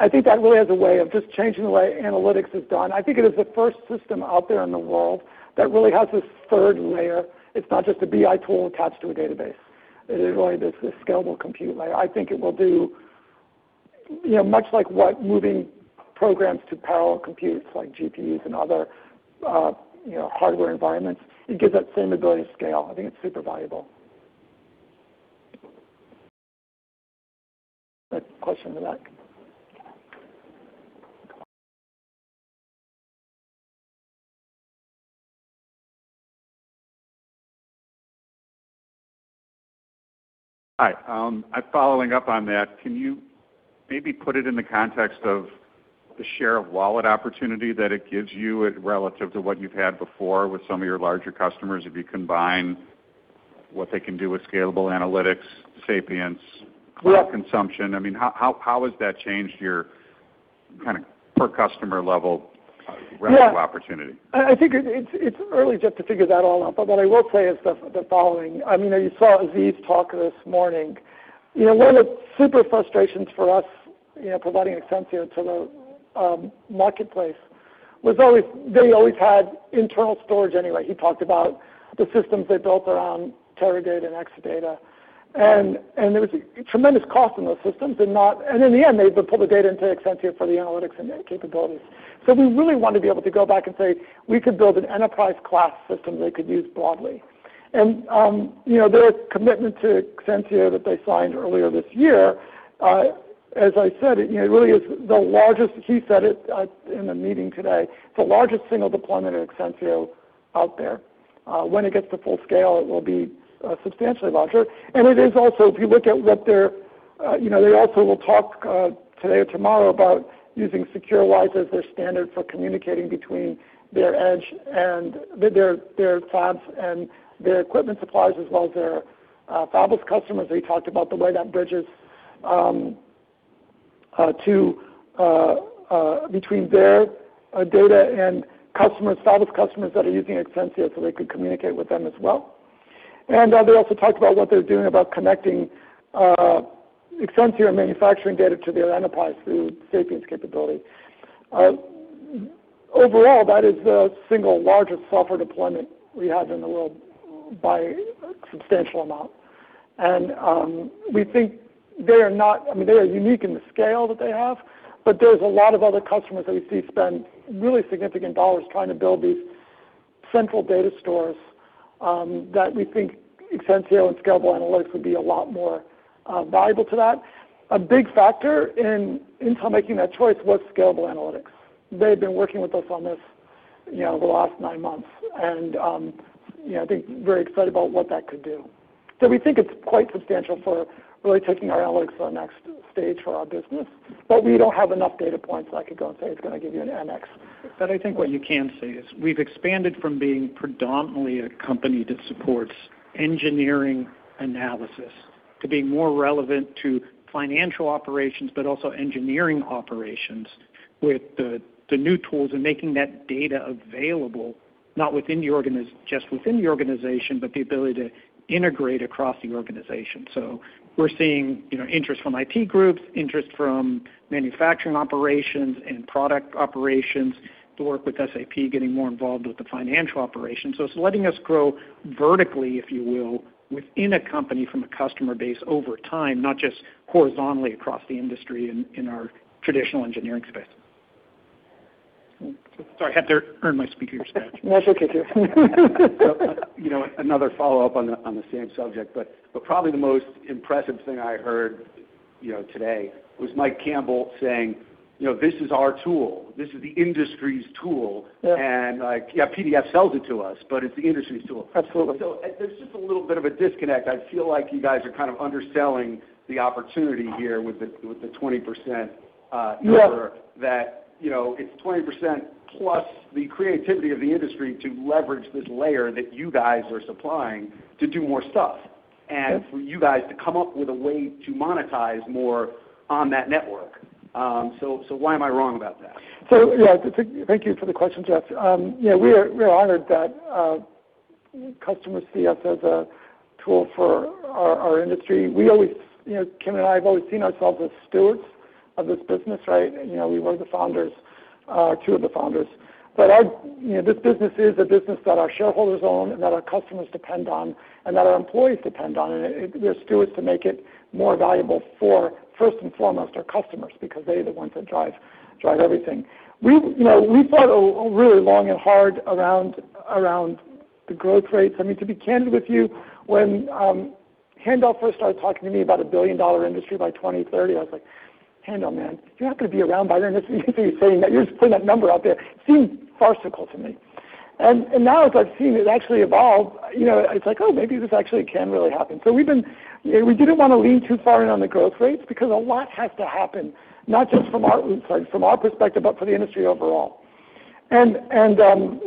I think that really has a way of just changing the way analytics is done. I think it is the first system out there in the world that really has this third layer. It's not just a BI tool attached to a database. It is really this scalable compute layer. I think it will do, you know, much like what moving programs to parallel computers like GPUs and other, you know, hardware environments. It gives that same ability to scale. I think it's super valuable. Question in the back. Hi. I'm following up on that. Can you maybe put it in the context of the share of wallet opportunity that it gives you relative to what you've had before with some of your larger customers if you combine what they can do with Scalable Analytics, Exensio, cloud consumption? I mean, how has that changed your kind of per-customer level revenue opportunity? Yeah. I think it's early just to figure that all out. But what I will say is the following. I mean, you saw Aziz's talk this morning. You know, one of the super frustrations for us, you know, providing Exensio to the marketplace was always they always had internal storage anyway. He talked about the systems they built around Teradata and Exadata. And there was a tremendous cost in those systems, and in the end, they pull the data into Exensio for the analytics and capabilities. So we really wanted to be able to go back and say we could build an enterprise-class system they could use broadly. And, you know, their commitment to Exensio that they signed earlier this year, as I said, you know, it really is the largest he said it, in the meeting today. It's the largest single deployment of Exensio out there. When it gets to full scale, it will be substantially larger. And it is also, if you look at what their, you know, they also will talk, today or tomorrow about using SecureWISE as their standard for communicating between their edge and their, their fabs and their equipment suppliers as well as their, fabless customers. They talked about the way that bridges, to, between their, data and customers, fabless customers that are using Exensio so they could communicate with them as well. They also talked about what they're doing about connecting Exensio manufacturing data to their enterprise through SAP capability. Overall, that is the single largest software deployment we have in the world by a substantial amount. We think they are not. I mean, they are unique in the scale that they have, but there's a lot of other customers that we see spend really significant dollars trying to build these central data stores, that we think Exensio and Scalable Analytics would be a lot more valuable to that. A big factor in Intel making that choice was Scalable Analytics. They've been working with us on this, you know, over the last nine months. You know, I think very excited about what that could do. We think it's quite substantial for really taking our analytics to the next stage for our business. But we don't have enough data points that I could go and say it's going to give you a 10X. But I think what. You can say is we've expanded from being predominantly a company that supports engineering analysis to being more relevant to financial operations, but also engineering operations with the new tools and making that data available, not just within the organization, but the ability to integrate across the organization. So we're seeing, you know, interest from IT groups, interest from manufacturing operations and product operations to work with SAP, getting more involved with the financial operations. So it's letting us grow vertically, if you will, within a company from a customer base over time, not just horizontally across the industry in our traditional engineering space. Sorry, I had to earn my speaker's badge. That's okay, too. [inaudible] So, you know, another follow-up on the on the same subject, but but probably the most impressive thing I heard, you know, today was Mike Campbell saying, you know, "This is our tool. This is the industry's tool." Yeah. And like, yeah, PDF sells it to us, but it's the industry's tool. Absolutely. So there's just a little bit of a disconnect. I feel like you guys are kind of underselling the opportunity here with the with the 20% number. Yeah. That, you know, it's 20% plus the creativity of the industry to leverage this layer that you guys are supplying to do more stuff and for you guys to come up with a way to monetize more on that network. So, so why am I wrong about that? So, yeah, thank you for the question, Jeff. Yeah, we are. We're honored that customers see us as a tool for our industry. We always, you know, Kim and I have always seen ourselves as stewards of this business, right? You know, we were the founders, two of the founders. But, you know, this business is a business that our shareholders own and that our customers depend on and that our employees depend on. And we're stewards to make it more valuable for, first and foremost, our customers because they are the ones that drive everything. We, you know, we fought really long and hard around the growth rates. I mean, to be candid with you, when Handel first started talking to me about a $1 billion industry by 2030, I was like, "Handel, man, you're not going to be a sound biter unless you say that you're just putting that number out there." It seemed far too cool to me. And now as I've seen it actually evolve, you know, it's like, "Oh, maybe this actually can really happen." So we've been, you know, we didn't want to lean too far in on the growth rates because a lot has to happen, not just from our, sorry, from our perspective, but for the industry overall. And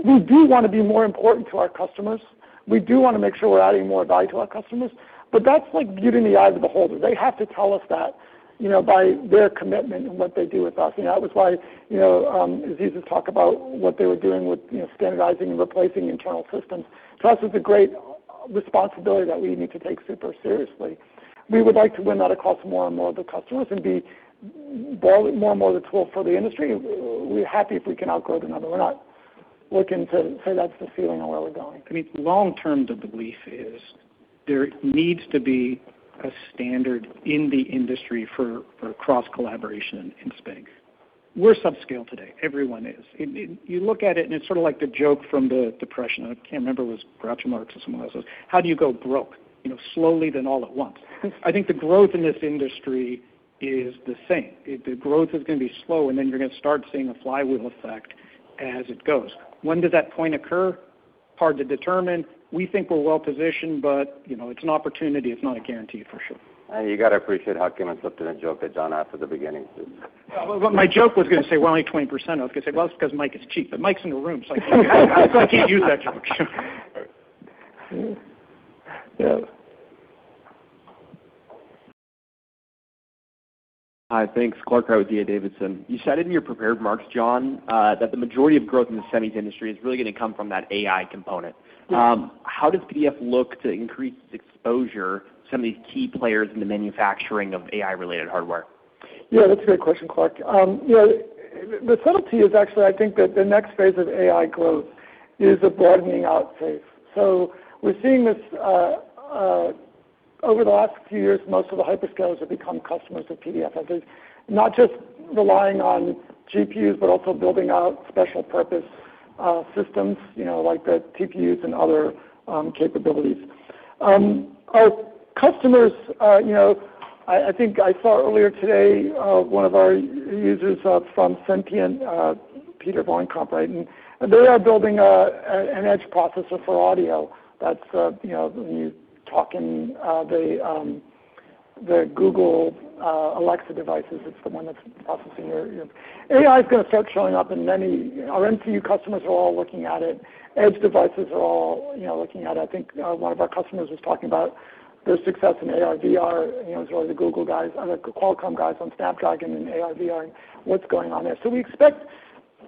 we do want to be more important to our customers. We do want to make sure we're adding more value to our customers. But that's like beauty is in the eye of the beholder. They have to tell us that, you know, by their commitment and what they do with us. You know, that was why, you know, Aziz talked about what they were doing with, you know, standardizing and replacing internal systems. To us, it's a great responsibility that we need to take super seriously. We would like to win that across more and more of the customers and be more and more of the tool for the industry. We're happy if we can outgrow the number. We're not looking to say that's the ceiling on where we're going. I mean, long-term, the belief is there needs to be a standard in the industry for cross-collaboration and spinning. We're subscale today. Everyone is. You look at it and it's sort of like the joke from the depression. I can't remember if it was Groucho Marx or someone else's. How do you go broke, you know, slowly, then all at once? I think the growth in this industry is the same. The growth is going to be slow, and then you're going to start seeing a flywheel effect as it goes. When does that point occur? Hard to determine. We think we're well-positioned, but, you know, it's an opportunity. It's not a guarantee for sure, and you got to appreciate how Kim had slipped in a joke that John asked at the beginning. Well, my joke was going to say, "Well, only 20% of it." Because I said, "Well, it's because Mike is cheap." But Mike's in the room. [inaudible] It's like, "I can't use that joke." Yeah. Hi, thanks. Clark Soucy, D.A. Davidson. You said in your prepared remarks, John, that the majority of growth in the semi industry is really going to come from that AI component. How does PDF look to increase exposure to some of these key players in the manufacturing of AI-related hardware? Yeah, that's a great question, Clark. You know, the subtlety is actually, I think that the next phase of AI growth is a broadening out phase. So we're seeing this, over the last few years, most of the hyperscalers have become customers of PDF, not just relying on GPUs, but also building out special-purpose systems, you know, like the TPUs and other capabilities. Our customers, you know, I think I saw earlier today, one of our users, from Syntiant, Pieter Vancorenland, right? And they are building an edge processor for audio that's, you know, when you talk in the Amazon Alexa devices, it's the one that's processing your AI. [It] is going to start showing up in many. Our MCU customers are all looking at it. Edge devices are all, you know, looking at it. I think one of our customers was talking about their success in AR/VR, you know, as well as the Google guys, other Qualcomm guys on Snapdragon and AR/VR and what's going on there. So we expect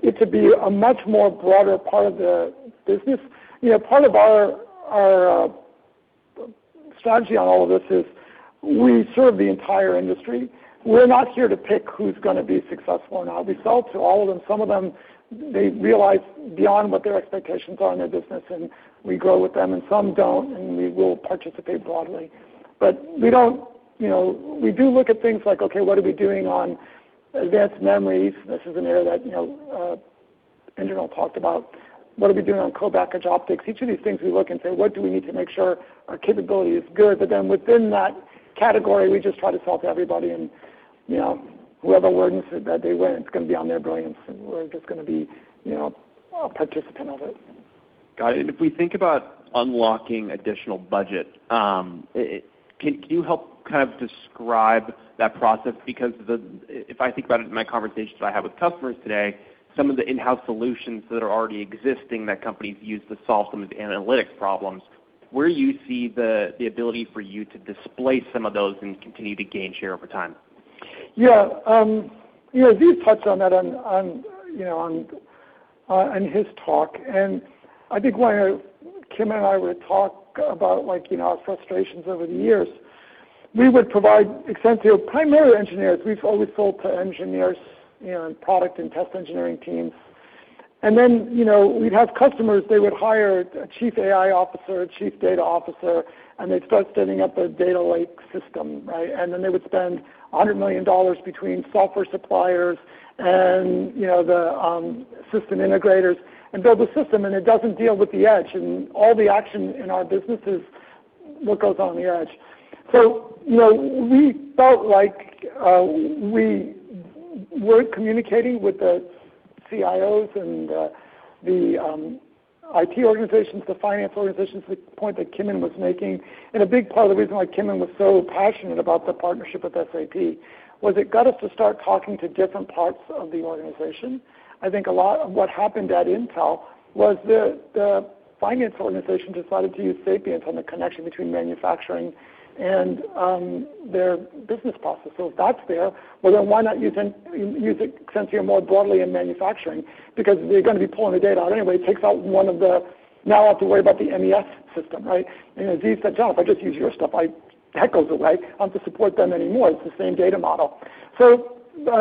it to be a much more broader part of the business. You know, part of our, our, strategy on all of this is we serve the entire industry. We're not here to pick who's going to be successful or not. We sell to all of them. Some of them, they realize beyond what their expectations are in their business, and we grow with them. And some don't, and we will participate broadly. But we don't, you know, we do look at things like, okay, what are we doing on advanced memories? This is an area that, you know, Indranil talked about. What are we doing on co-packaged optics? Each of these things we look and say, what do we need to make sure our capability is good? But then within that category, we just try to sell to everybody. And, you know, whoever wins that day win, it's going to be on their brilliance, and we're just going to be, you know, a participant of it. Got it. And if we think about unlocking additional budget, it can you help kind of describe that process? Because if I think about it in my conversations that I have with customers today, some of the in-house solutions that are already existing that companies use to solve some of the analytics problems, where do you see the ability for you to displace some of those and continue to gain share over time? Yeah. You know, A's touched on that, you know, in his talk. And I think when Kim and I were to talk about, like, you know, our frustrations over the years, we would provide Exensio primarily to engineers. We've always sold to engineers, you know, and product and test engineering teams. And then, you know, we'd have customers. They would hire a Chief AI Officer, a Chief Data Officer, and they'd start setting up a data lake system, right? And then they would spend $100 million between software suppliers and, you know, the system integrators and build a system. And it doesn't deal with the edge. And all the action in our business is what goes on the edge. So, you know, we felt like we weren't communicating with the CIOs and the IT organizations, the finance organizations, the point that Kimon was making. A big part of the reason why Kimon was so passionate about the partnership with SAP was it got us to start talking to different parts of the organization. I think a lot of what happened at Intel was that the finance organization decided to use Exensio on the connection between manufacturing and their business process. So if that's there, well, then why not use it, use Exensio more broadly in manufacturing? Because they're going to be pulling the data out anyway. It takes out one of the, now I have to worry about the MES system, right? And as Aziz said, "John, if I just use your stuff, the heck goes away. I don't have to support them anymore. It's the same data model." So,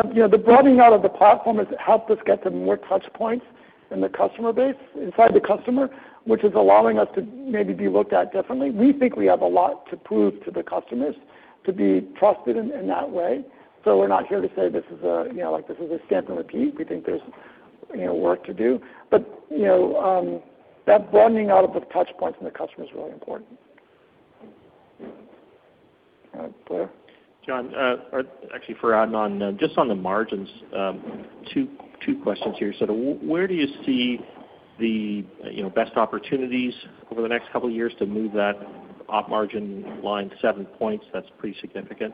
you know, the broadening out of the platform has helped us get to more touch points in the customer base, inside the customer, which is allowing us to maybe be looked at differently. We think we have a lot to prove to the customers to be trusted in that way. So we're not here to say this is a, you know, like this is a stamp and repeat. We think there's, you know, work to do. But, you know, that broadening out of the touch points in the customer is really important. All right. Clark? John, actually for Adnan, just on the margins, two, two questions here. So where do you see the, you know, best opportunities over the next couple of years to move that up margin line seven points? That's pretty significant.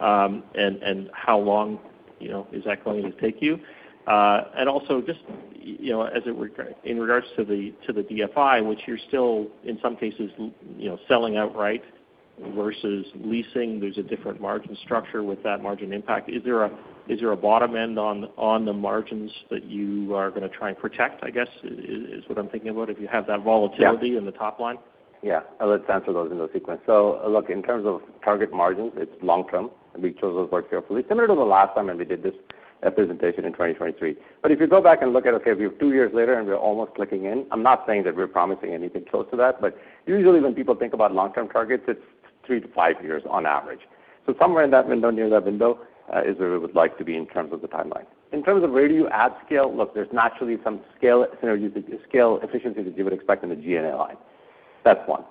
How long, you know, is that going to take you? And also just, you know, as it in regards to the, to the DFI, which you're still in some cases, you know, selling outright versus leasing, there's a different margin structure with that margin impact. Is there a bottom end on the margins that you are going to try and protect? I guess that's what I'm thinking about if you have that volatility in the top line. Yeah. I'll let Stan answer those in that sequence. Look, in terms of target margins, it's long-term. We chose those very carefully. Similar to the last time when we did this presentation in 2023. But if you go back and look at, okay, we have two years later and we're almost clicking in. I'm not saying that we're promising anything close to that, but usually when people think about long-term targets, it's three-to-five years on average. So somewhere in that window, near that window, is where we would like to be in terms of the timeline. In terms of where do you add scale, look, there's naturally some scale synergy, scale efficiency that you would expect in the G&A line. That's one.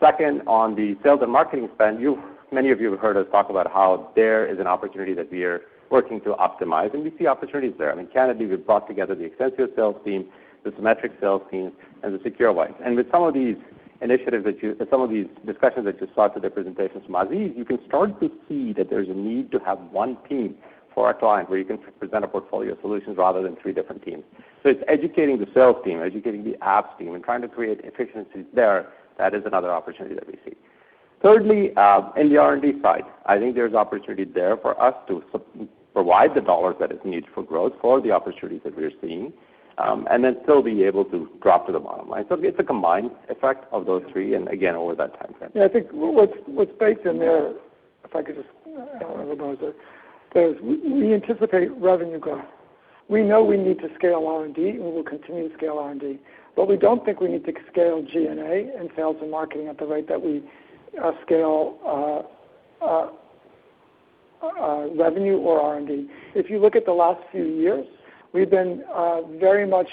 Second, on the sales and marketing spend, you've, many of you have heard us talk about how there is an opportunity that we are working to optimize, and we see opportunities there. I mean, candidly, we've brought together the Exensio sales team, the Cimetrix sales teams, and the SecureWISE. And with some of these initiatives that you, some of these discussions that you saw through the presentations from Aziz, you can start to see that there's a need to have one team for our client where you can present a portfolio of solutions rather than three different teams. So it's educating the sales team, educating the apps team, and trying to create efficiencies there. That is another opportunity that we see. Thirdly, in the R&D side, I think there's opportunity there for us to provide the dollars that are needed for growth for the opportunities that we're seeing, and then still be able to drop to the bottom line. So it's a combined effect of those three, and again, over that timeframe. Yeah. I think what's baked in there, if I could just, I don't know everyone's there, is we anticipate revenue growth. We know we need to scale R&D, and we will continue to scale R&D. But we don't think we need to scale G&A and sales and marketing at the rate that we scale revenue or R&D. If you look at the last few years, we've been very much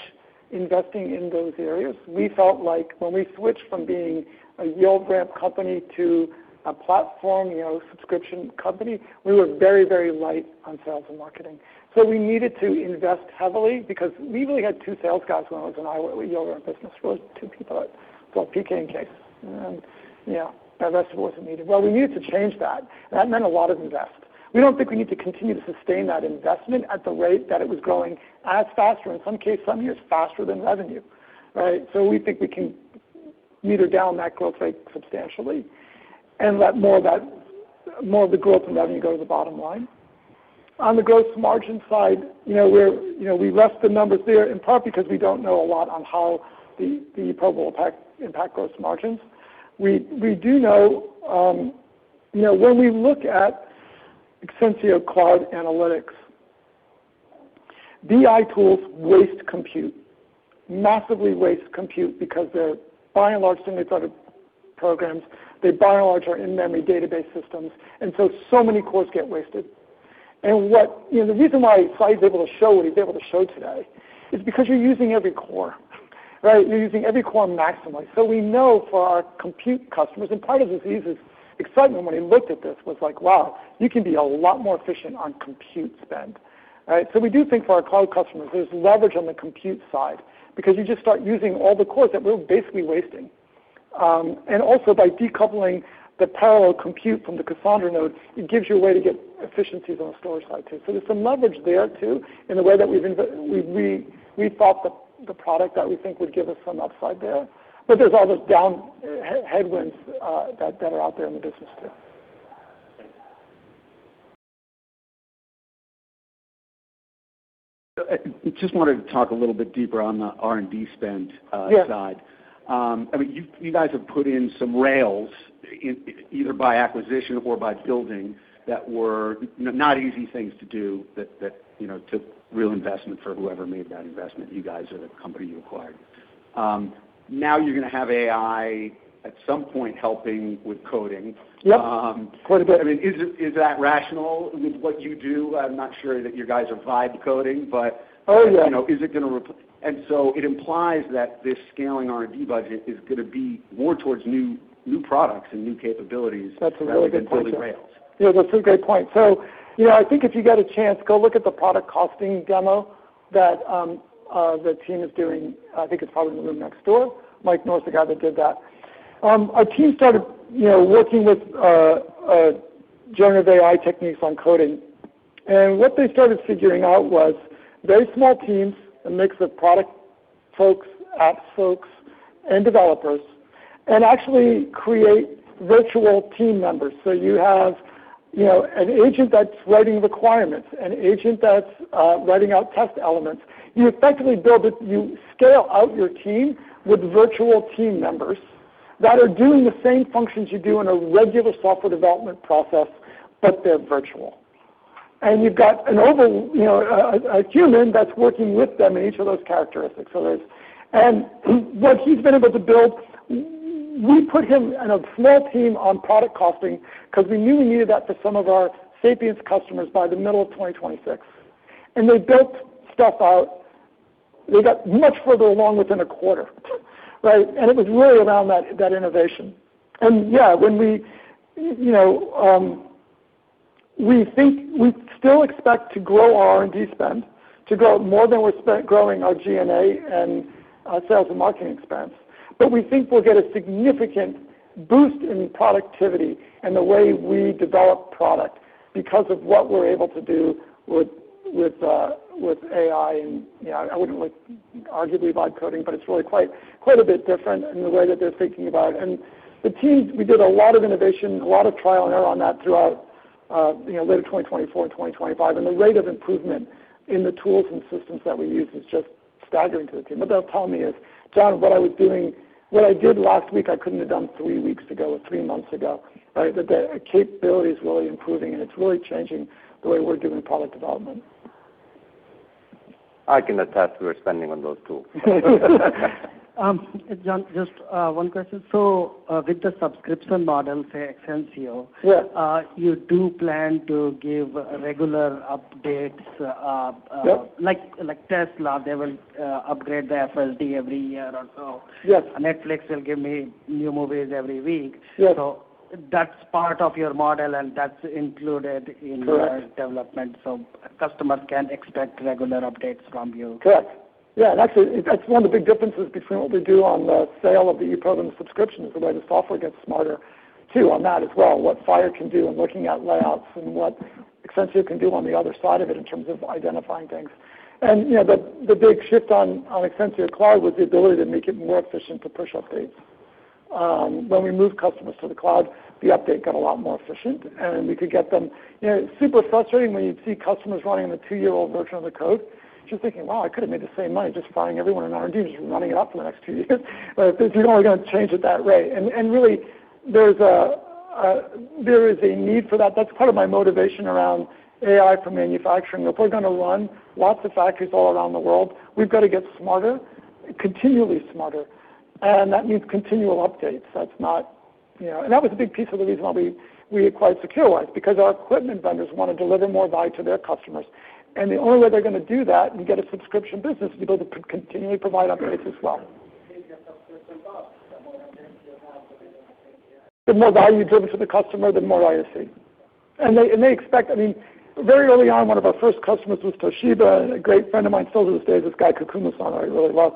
investing in those areas. We felt like when we switched from being a yield ramp company to a platform, you know, subscription company, we were very, very light on sales and marketing. So we needed to invest heavily because we really had two sales guys when I was in our yield ramp business. There were two people at PK and Kees. And yeah, the rest of it wasn't needed. Well, we needed to change that. That meant a lot of invest. We don't think we need to continue to sustain that investment at the rate that it was growing as fast, or in some cases, some years faster than revenue, right? So we think we can tune down that growth rate substantially and let more of that, more of the growth and revenue go to the bottom line. On the gross margin side, you know, we're, you know, we reset the numbers there in part because we don't know a lot on how the probable impact on gross margins. We do know, you know, when we look at Exensio Cloud Analytics, BI tools waste compute massively because they're by and large single-threaded programs. They by and large are in-memory database systems. And so many cores get wasted. What, you know, the reason why Sai is able to show what he's able to show today is because you're using every core, right? You're using every core maximally. So we know for our compute customers, and part of Aziz's excitement when he looked at this was like, wow, you can be a lot more efficient on compute spend, right? So we do think for our cloud customers, there's leverage on the compute side because you just start using all the cores that we're basically wasting. And also by decoupling the parallel compute from the Cassandra nodes, it gives you a way to get efficiencies on the store side too. So there's some leverage there too in the way that we've thought the product that we think would give us some upside there. But there's all those down headwinds that are out there in the business too. So I just wanted to talk a little bit deeper on the R&D spend side. I mean, you guys have put in some rails in either by acquisition or by building that were not easy things to do that you know to real investment for whoever made that investment. You guys are the company you acquired. Now you're going to have AI at some point helping with coding. Yep, quite a bit. I mean, is that rational with what you do? I'm not sure that you guys are vibe coding, but you know is it going to ramp? And so it implies that this scaling R&D budget is going to be more towards new products and new capabilities. That's a really good point. Yeah, that's a great point. So, you know, I think if you get a chance, go look at the product costing demo that the team is doing. I think it's probably in the room next door. Mike Norris, the guy that did that. Our team started, you know, working with generative AI techniques on coding. And what they started figuring out was very small teams, a mix of product folks, apps folks, and developers, and actually create virtual team members. So you have, you know, an agent that's writing requirements, an agent that's writing out test elements. You effectively build it. You scale out your team with virtual team members that are doing the same functions you do in a regular software development process, but they're virtual. And you've got an over, you know, a human that's working with them in each of those characteristics. There's, and what he's been able to build. We put him in a small team on product costing because we knew we needed that for some of our SAP customers by the middle of 2026. And they built stuff out. They got much further along within a quarter, right? And it was really around that, that innovation. And yeah, when we, you know, we think we still expect to grow our R&D spend, to grow it more than we're spent growing our G&A and sales and marketing expense. But we think we'll get a significant boost in productivity and the way we develop product because of what we're able to do with AI. And yeah, I wouldn't like arguably vibe coding, but it's really quite a bit different in the way that they're thinking about it. The teams, we did a lot of innovation, a lot of trial and error on that throughout, you know, late 2024 and 2025. The rate of improvement in the tools and systems that we use is just staggering to the team. What that's telling me is, John, what I was doing, what I did last week, I couldn't have done three weeks ago or three months ago, right? The capability is really improving, and it's really changing the way we're doing product development. I can attest we're spending on those too. John, just one question. With the subscription model for Exensio, you do plan to give regular updates, like Tesla, they will .the FSD every year or so. Yes. Netflix will give me new movies every week. Yes. That's part of your model, and that's included in your development. So customers can expect regular updates from you. Correct. Yeah. And that's one of the big differences between what we do on the sale of the eProbe subscription is the way the software gets smarter too on that as well. What DFI can do in looking at layouts and what Exensio can do on the other side of it in terms of identifying things. And, you know, the big shift on Exensio Cloud was the ability to make it more efficient to push updates. When we moved customers to the cloud, the update got a lot more efficient, and we could get them, you know, super frustrating when you'd see customers running the two-year-old version of the code, just thinking, wow, I could have made the same money just firing everyone in our teams, just running it out for the next two years. But if you're only going to change it that way, and really there's a need for that. That's part of my motivation around AI for manufacturing. If we're going to run lots of factories all around the world, we've got to get smarter, continually smarter, and that means continual updates. That's not, you know, and that was a big piece of the reason why we acquired SecureWISE, because our equipment vendors want to deliver more value to their customers. And the only way they're going to do that and get a subscription business is to be able to continually provide updates as well. The more value you've driven to the customer, the more ISV. They expect, I mean, very early on, one of our first customers was Toshiba, and a great friend of mine still to this day is this guy, Kakumu, I really love.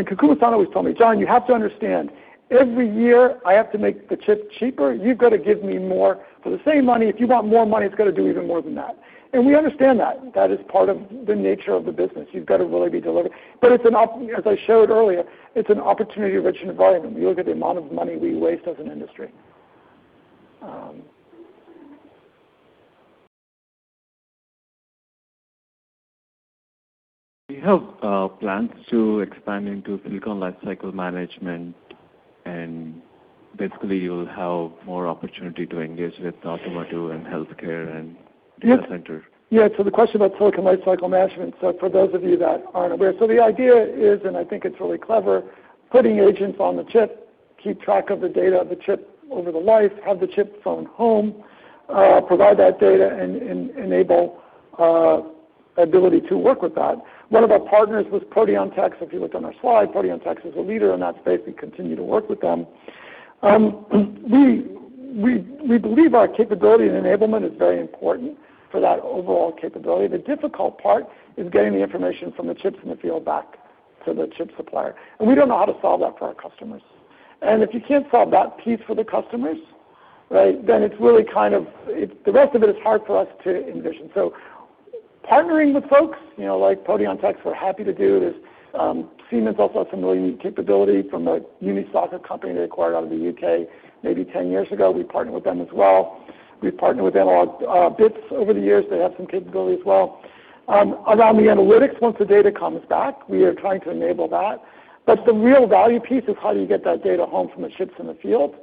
And Kakumu always told me, "John, you have to understand, every year I have to make the chip cheaper. You've got to give me more for the same money. If you want more money, it's got to do even more than that." And we understand that. That is part of the nature of the business. You've got to really be delivering. But as I showed earlier, it's an opportunity-rich environment. We look at the amount of money we waste as an industry. Do you have plans to expand into Silicon Lifecycle Management and basically you'll have more opportunity to engage with automotive and healthcare and data center? Yeah. Yeah. The question about silicon lifecycle management. For those of you that aren't aware, the idea is, and I think it's really clever, putting agents on the chip, keep track of the data of the chip over the life, have the chip phone home, provide that data and enable ability to work with that. One of our partners was proteanTecs. If you looked on our slide, proteanTecs is a leader in that space. We continue to work with them. We believe our capability and enablement is very important for that overall capability. The difficult part is getting the information from the chips in the field back to the chip supplier. We don't know how to solve that for our customers. And if you can't solve that piece for the customers, right, then it's really kind of, it's the rest of it is hard for us to envision. So partnering with folks, you know, like proteanTecs, we're happy to do this. Siemens also has some really neat capability from an UltraSoC company they acquired out of the U.K. maybe 10 years ago. We partnered with them as well. We've partnered with Analog Bits over the years. They have some capability as well around the analytics, once the data comes back, we are trying to enable that. But the real value piece is how do you get that data home from the chips in the field?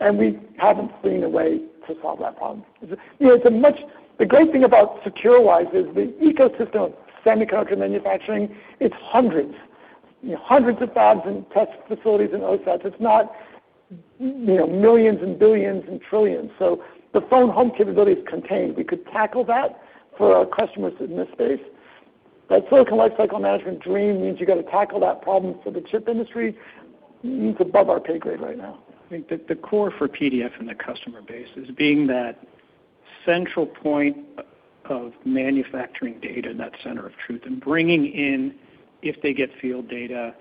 And we haven't seen a way to solve that problem. You know, it's a much, the great thing about SecureWISE is the ecosystem of semiconductor manufacturing. It's hundreds, hundreds of thousands of test facilities and OSATs. It's not, you know, millions and billions and trillions. So the phone home capability is contained. We could tackle that for our customers in this space. That silicon lifecycle management dream means you got to tackle that problem for the chip industry. It's above our pay grade right now. I think that the core for PDF in the customer base is being that central point of manufacturing data in that center of truth and bringing in, if they get field data,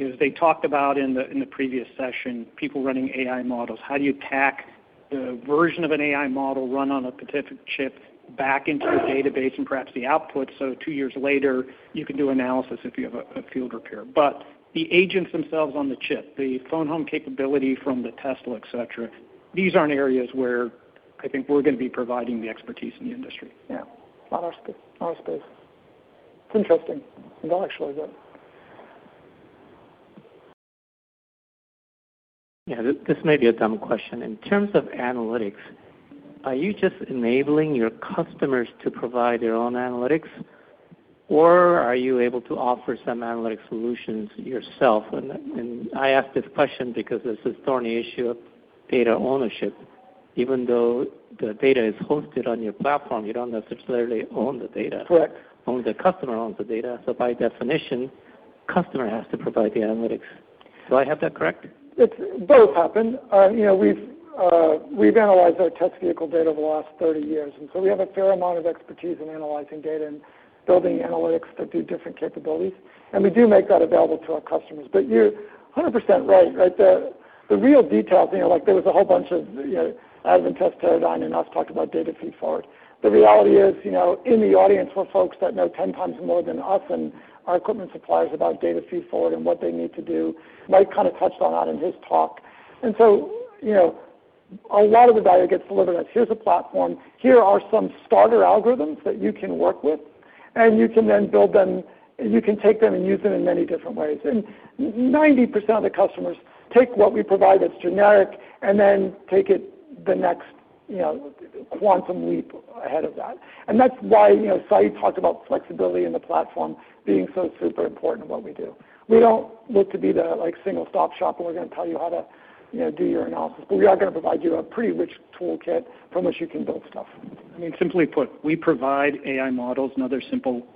as they talked about in the, in the previous session, people running AI models. How do you pack the version of an AI model run on a specific chip back into the database and perhaps the output? So two years later, you can do analysis if you have a field repair. But the agents themselves on the chip, the phone home capability from the Tesla, et cetera, these aren't areas where I think we're going to be providing the expertise in the industry. Yeah. Not our space. Not our space. It's interesting. Intellectually, though. Yeah. This may be a dumb question. In terms of analytics, are you just enabling your customers to provide their own analytics, or are you able to offer some analytic solutions yourself? And I ask this question because there's this thorny issue of data ownership. Even though the data is hosted on your platform, you don't necessarily own the data. Correct. Only the customer owns the data. So by definition, the customer has to provide the analytics. Do I have that correct? It's both happening. You know, we've analyzed our test vehicle data over the last 30 years. And so we have a fair amount of expertise in analyzing data and building analytics to do different capabilities. And we do make that available to our customers. But you're 100% right, right? The real details, you know, like there was a whole bunch of, you know, Advantest and us talked Data Feed-Forward. the reality is, you know, in the audience were folks that know 10 times more than us and our equipment suppliers Data Feed-Forward and what they need to do. Mike kind of touched on that in his talk. And so, you know, a lot of the value gets delivered as, here's a platform. Here are some starter algorithms that you can work with, and you can then build them, and you can take them and use them in many different ways. And 90% of the customers take what we provide that's generic and then take it the next, you know, quantum leap ahead of that. And that's why, you know, Sai talked about flexibility in the platform being so super important in what we do. We don't look to be the, like, single-stop shop and we're going to tell you how to, you know, do your analysis. But we are going to provide you a pretty rich toolkit from which you can build stuff. I mean, simply put, we provide AI models and other simple,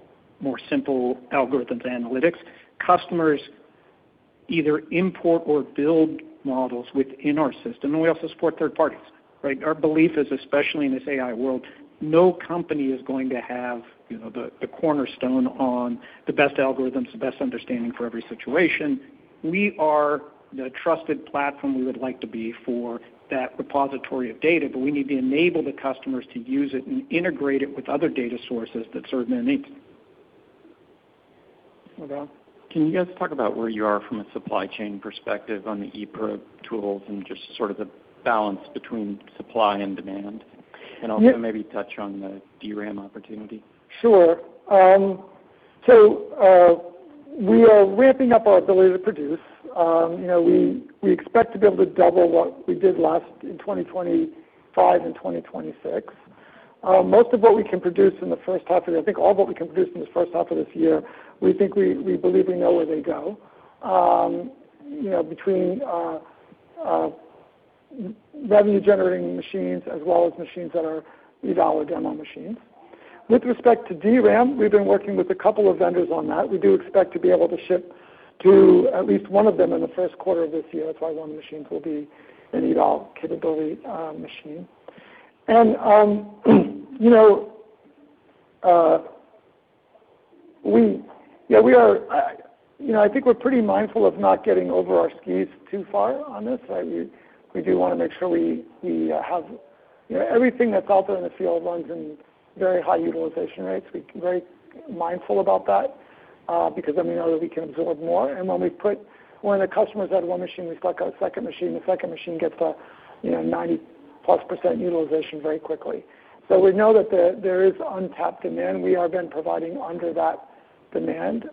more simple algorithms and analytics. Customers either import or build models within our system, and we also support third parties, right? Our belief is, especially in this AI world, no company is going to have, you know, the cornerstone on the best algorithms, the best understanding for every situation. We are the trusted platform we would like to be for that repository of data, but we need to enable the customers to use it and integrate it with other data sources that serve their needs. Okay. Can you guys talk about where you are from a supply chain perspective on the eProbe tools and just sort of the balance between supply and demand? And also maybe touch on the DRAM opportunity. Sure. So, we are ramping up our ability to produce. You know, we expect to be able to double what we did last in 2025 and 2026. Most of what we can produce in the first half of the, I think all that we can produce in this first half of this year, we think we believe we know where they go. You know, between revenue-generating machines as well as machines that are eval or demo machines. With respect to DRAM, we've been working with a couple of vendors on that. We do expect to be able to ship to at least one of them in the first quarter of this year. That's why one of the machines will be an eval capability machine. And, you know, we, yeah, we are, you know, I think we're pretty mindful of not getting over our skis too far on this, right? We, we do want to make sure we, we have, you know, everything that's out there in the field runs in very high utilization rates. We're very mindful about that, because then we know that we can absorb more. And when we put, when the customers had one machine, we stuck out a second machine. The second machine gets, you know, 90+% utilization very quickly. So we know that there is untapped demand. We have been providing under that demand,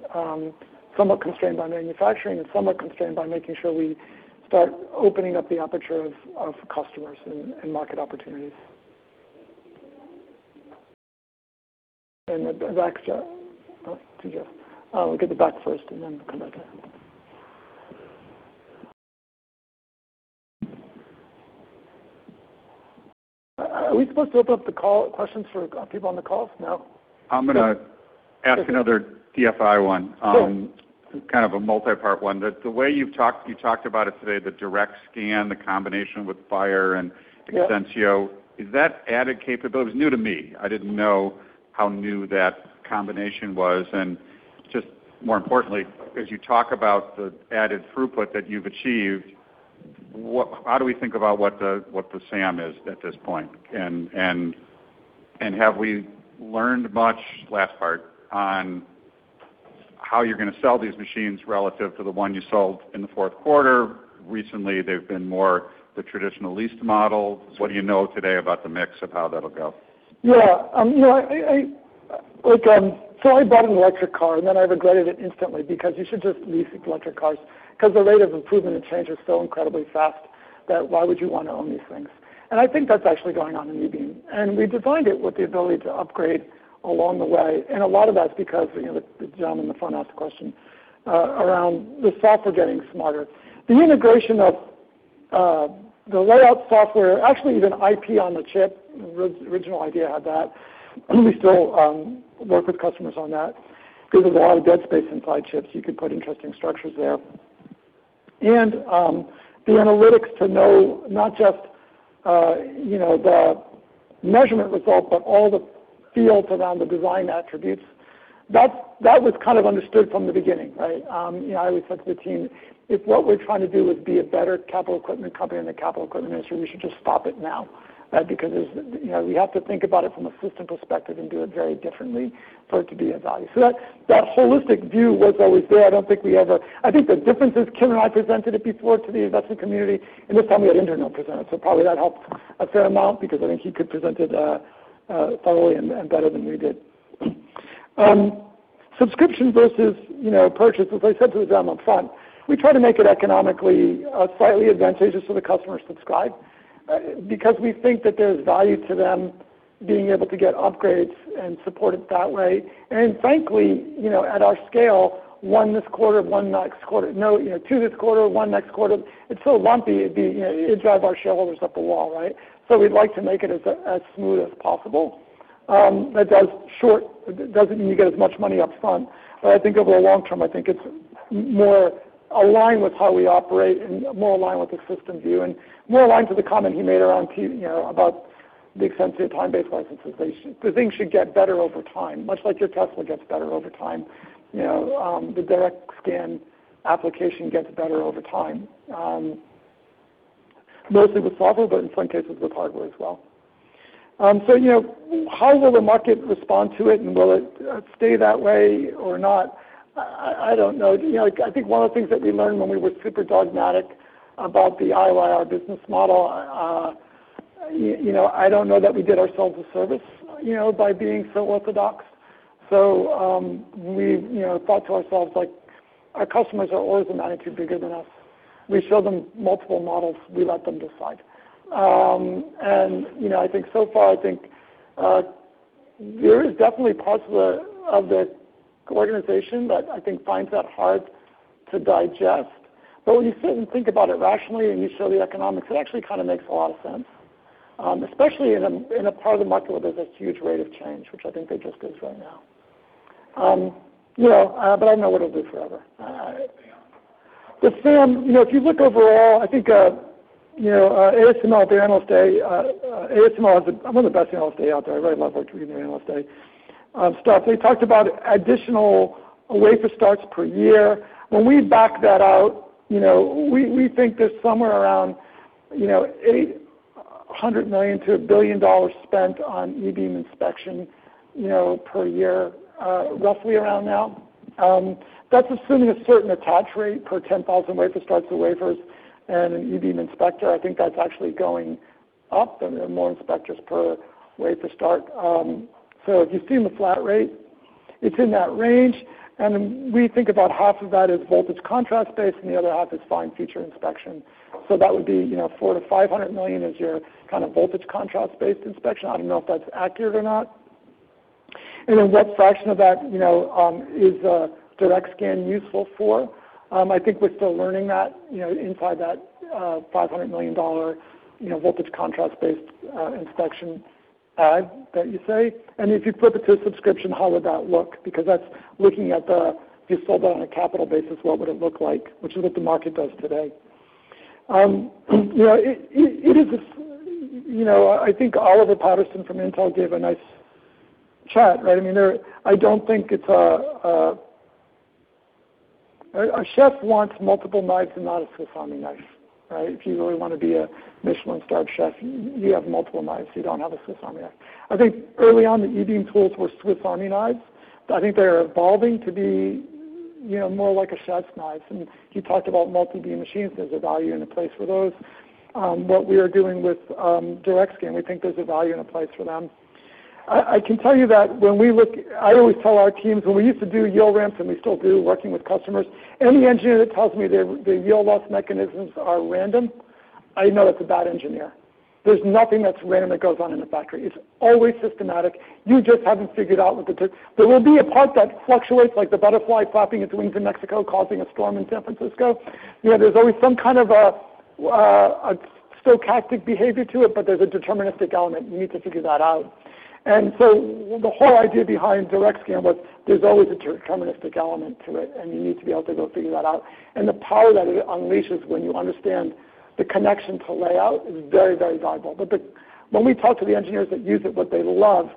somewhat constrained by manufacturing and somewhat constrained by making sure we start opening up the aperture of customers and market opportunities. And we'll get the back first and then come back to that. Are we supposed to open up the call questions for people on the calls now? I'm going to ask another DFI one. Kind of a multi-part one. The way you've talked, you talked about it today, the DirectScan, the combination with eProbe and Exensio. Is that added capability? It was new to me. I didn't know how new that combination was. And just more importantly, as you talk about the added throughput that you've achieved, what, how do we think about what the SAM is at this point? And have we learned much last part on how you're going to sell these machines relative to the one you sold in the fourth quarter? Recently, they've been more the traditional leased model. What do you know today about the mix of how that'll go? Yeah. You know, I like, so I bought an electric car, and then I regretted it instantly because you should just lease electric cars because the rate of improvement and change is so incredibly fast that why would you want to own these things? And I think that's actually going on in e-beam. And we designed it with the ability to upgrade along the way. And a lot of that's because, you know, the gentleman in the front asked a question around the software getting smarter. The integration of the layout software, actually even IP on the chip, the original idea had that. We still work with customers on that because there's a lot of dead space inside chips. You could put interesting structures there. And the analytics to know not just, you know, the measurement result, but all the fields around the design attributes. That's, that was kind of understood from the beginning, right? You know, I always said to the team, if what we're trying to do is be a better capital equipment company in the capital equipment industry, we should just stop it now. Right? Because there's, you know, we have to think about it from a system perspective and do it very differently for it to be a value. So that, that holistic view was always there. I don't think we ever, I think the difference is Kim and I presented it before to the investment community, and this time we had Indranil present it. So probably that helped a fair amount because I think he could present it thoroughly and better than we did. Subscription versus, you know, purchase, as I said to the gentleman up front, we try to make it economically slightly advantageous for the customer to subscribe because we think that there's value to them being able to get upgrades and support it that way. And frankly, you know, at our scale, one this quarter, one next quarter, no, you know, two this quarter, one next quarter, it's so lumpy, it'd be, you know, it'd drive our shareholders up the wall, right? So we'd like to make it as smooth as possible. That does short, doesn't mean you get as much money up front. But I think over the long term, I think it's more aligned with how we operate and more aligned with the system view and more aligned to the comment he made around, you know, about the extent of your time-based licenses. The things should get better over time, much like your Tesla gets better over time. You know, the DirectScan application gets better over time, mostly with software, but in some cases with hardware as well. So, you know, how will the market respond to it and will it stay that way or not? I don't know. You know, I think one of the things that we learned when we were super dogmatic about the IYR business model, you know, I don't know that we did ourselves a service, you know, by being so orthodox. So, we, you know, thought to ourselves, like, our customers are always a magnitude bigger than us. We show them multiple models. We let them decide, and, you know, I think so far, I think there is definitely parts of the organization that I think find that hard to digest. But when you sit and think about it rationally and you show the economics, it actually kind of makes a lot of sense, especially in a part of the market where there's a huge rate of change, which I think there just is right now. You know, but I don't know what it'll do forever. The SAM, you know, if you look overall, I think, you know, ASML, their Analyst Day, ASML has one of the best Analyst Days out there. I really love working with your Analyst Day stuff. They talked about additional wafer starts per year. When we back that out, you know, we think there's somewhere around, you know, $800 million-$1 billion spent on e-beam inspection, you know, per year, roughly around now. That's assuming a certain attach rate per 10,000 wafer starts, two wafers and an e-beam inspector. I think that's actually going up. There are more inspectors per wafer start, so if you see in the flat rate, it's in that range. And we think about half of that is voltage contrast based and the other half is fine feature inspection. So that would be, you know, $400-$500 million is your kind of voltage contrast based inspection. I don't know if that's accurate or not. And then what fraction of that, you know, is DirectScan useful for? I think we're still learning that, you know, inside that $500 million, you know, voltage contrast based inspection aid that you say. And if you flip it to a subscription, how would that look? Because that's looking at the, if you sold it on a capital basis, what would it look like, which is what the market does today? You know, it is a, you know, I think Oliver Patterson from Intel gave a nice chat, right? I mean, there, I don't think it's a chef wants multiple knives and not a Swiss Army knife, right? If you really want to be a Michelin-starred chef, you have multiple knives. You don't have a Swiss Army knife. I think early on the e-beam tools were Swiss Army knives. I think they're evolving to be, you know, more like a chef's knives. And you talked about multi-beam machines. There's a value and a place for those. What we are doing with DirectScan, we think there's a value and a place for them. I, I can tell you that when we look, I always tell our teams, when we used to do yield ramps and we still do working with customers, any engineer that tells me their yield loss mechanisms are random, I know that's a bad engineer. There's nothing that's random that goes on in the factory. It's always systematic. You just haven't figured out what the, there will be a part that fluctuates like the butterfly flapping its wings in Mexico causing a storm in San Francisco. You know, there's always some kind of a stochastic behavior to it, but there's a deterministic element. You need to figure that out. And so the whole idea behind DirectScan was there's always a deterministic element to it, and you need to be able to go figure that out. And the power that it unleashes when you understand the connection to layout is very, very valuable. But the, when we talk to the engineers that use it, what they love,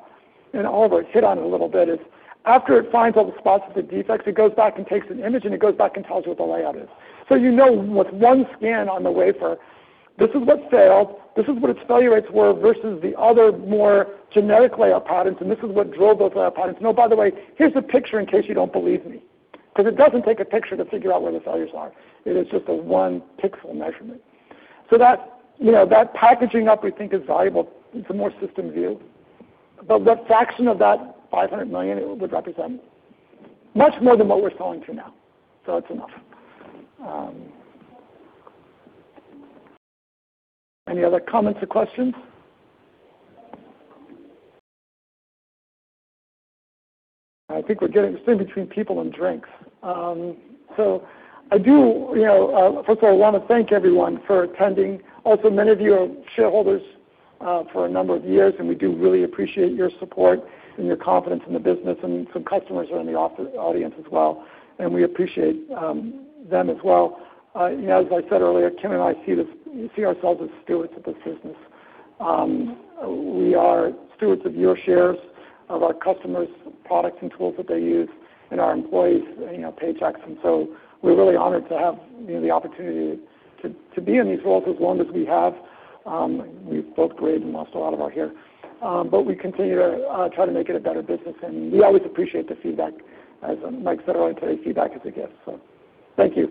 and Oliver hit on it a little bit, is after it finds all the spots of the defects, it goes back and takes an image, and it goes back and tells you what the layout is. So you know with one scan on the wafer, this is what failed. This is what its failure rates were versus the other more generic layout patterns. And this is what drove those layout patterns. And oh, by the way, here's a picture in case you don't believe me. Because it doesn't take a picture to figure out where the failures are. It is just a one-pixel measurement. So that, you know, that packaging up we think is valuable. It's a more system view. But what fraction of that $500 million it would represent? Much more than what we're selling to now. So it's enough. Any other comments or questions? I think we're getting stood between people and drinks, so I do, you know, first of all, I want to thank everyone for attending. Also, many of you are shareholders, for a number of years, and we do really appreciate your support and your confidence in the business. And some customers are in the audience as well. And we appreciate them as well. You know, as I said earlier, Kim and I see this, see ourselves as stewards of this business. We are stewards of your shares, of our customers' products and tools that they use, and our employees' paychecks, you know. And so we're really honored to have, you know, the opportunity to be in these roles as long as we have. We've both grayed and lost a lot of our hair, but we continue to try to make it a better business. And we always appreciate the feedback. As Mike said earlier today, feedback is a gift. So thank you.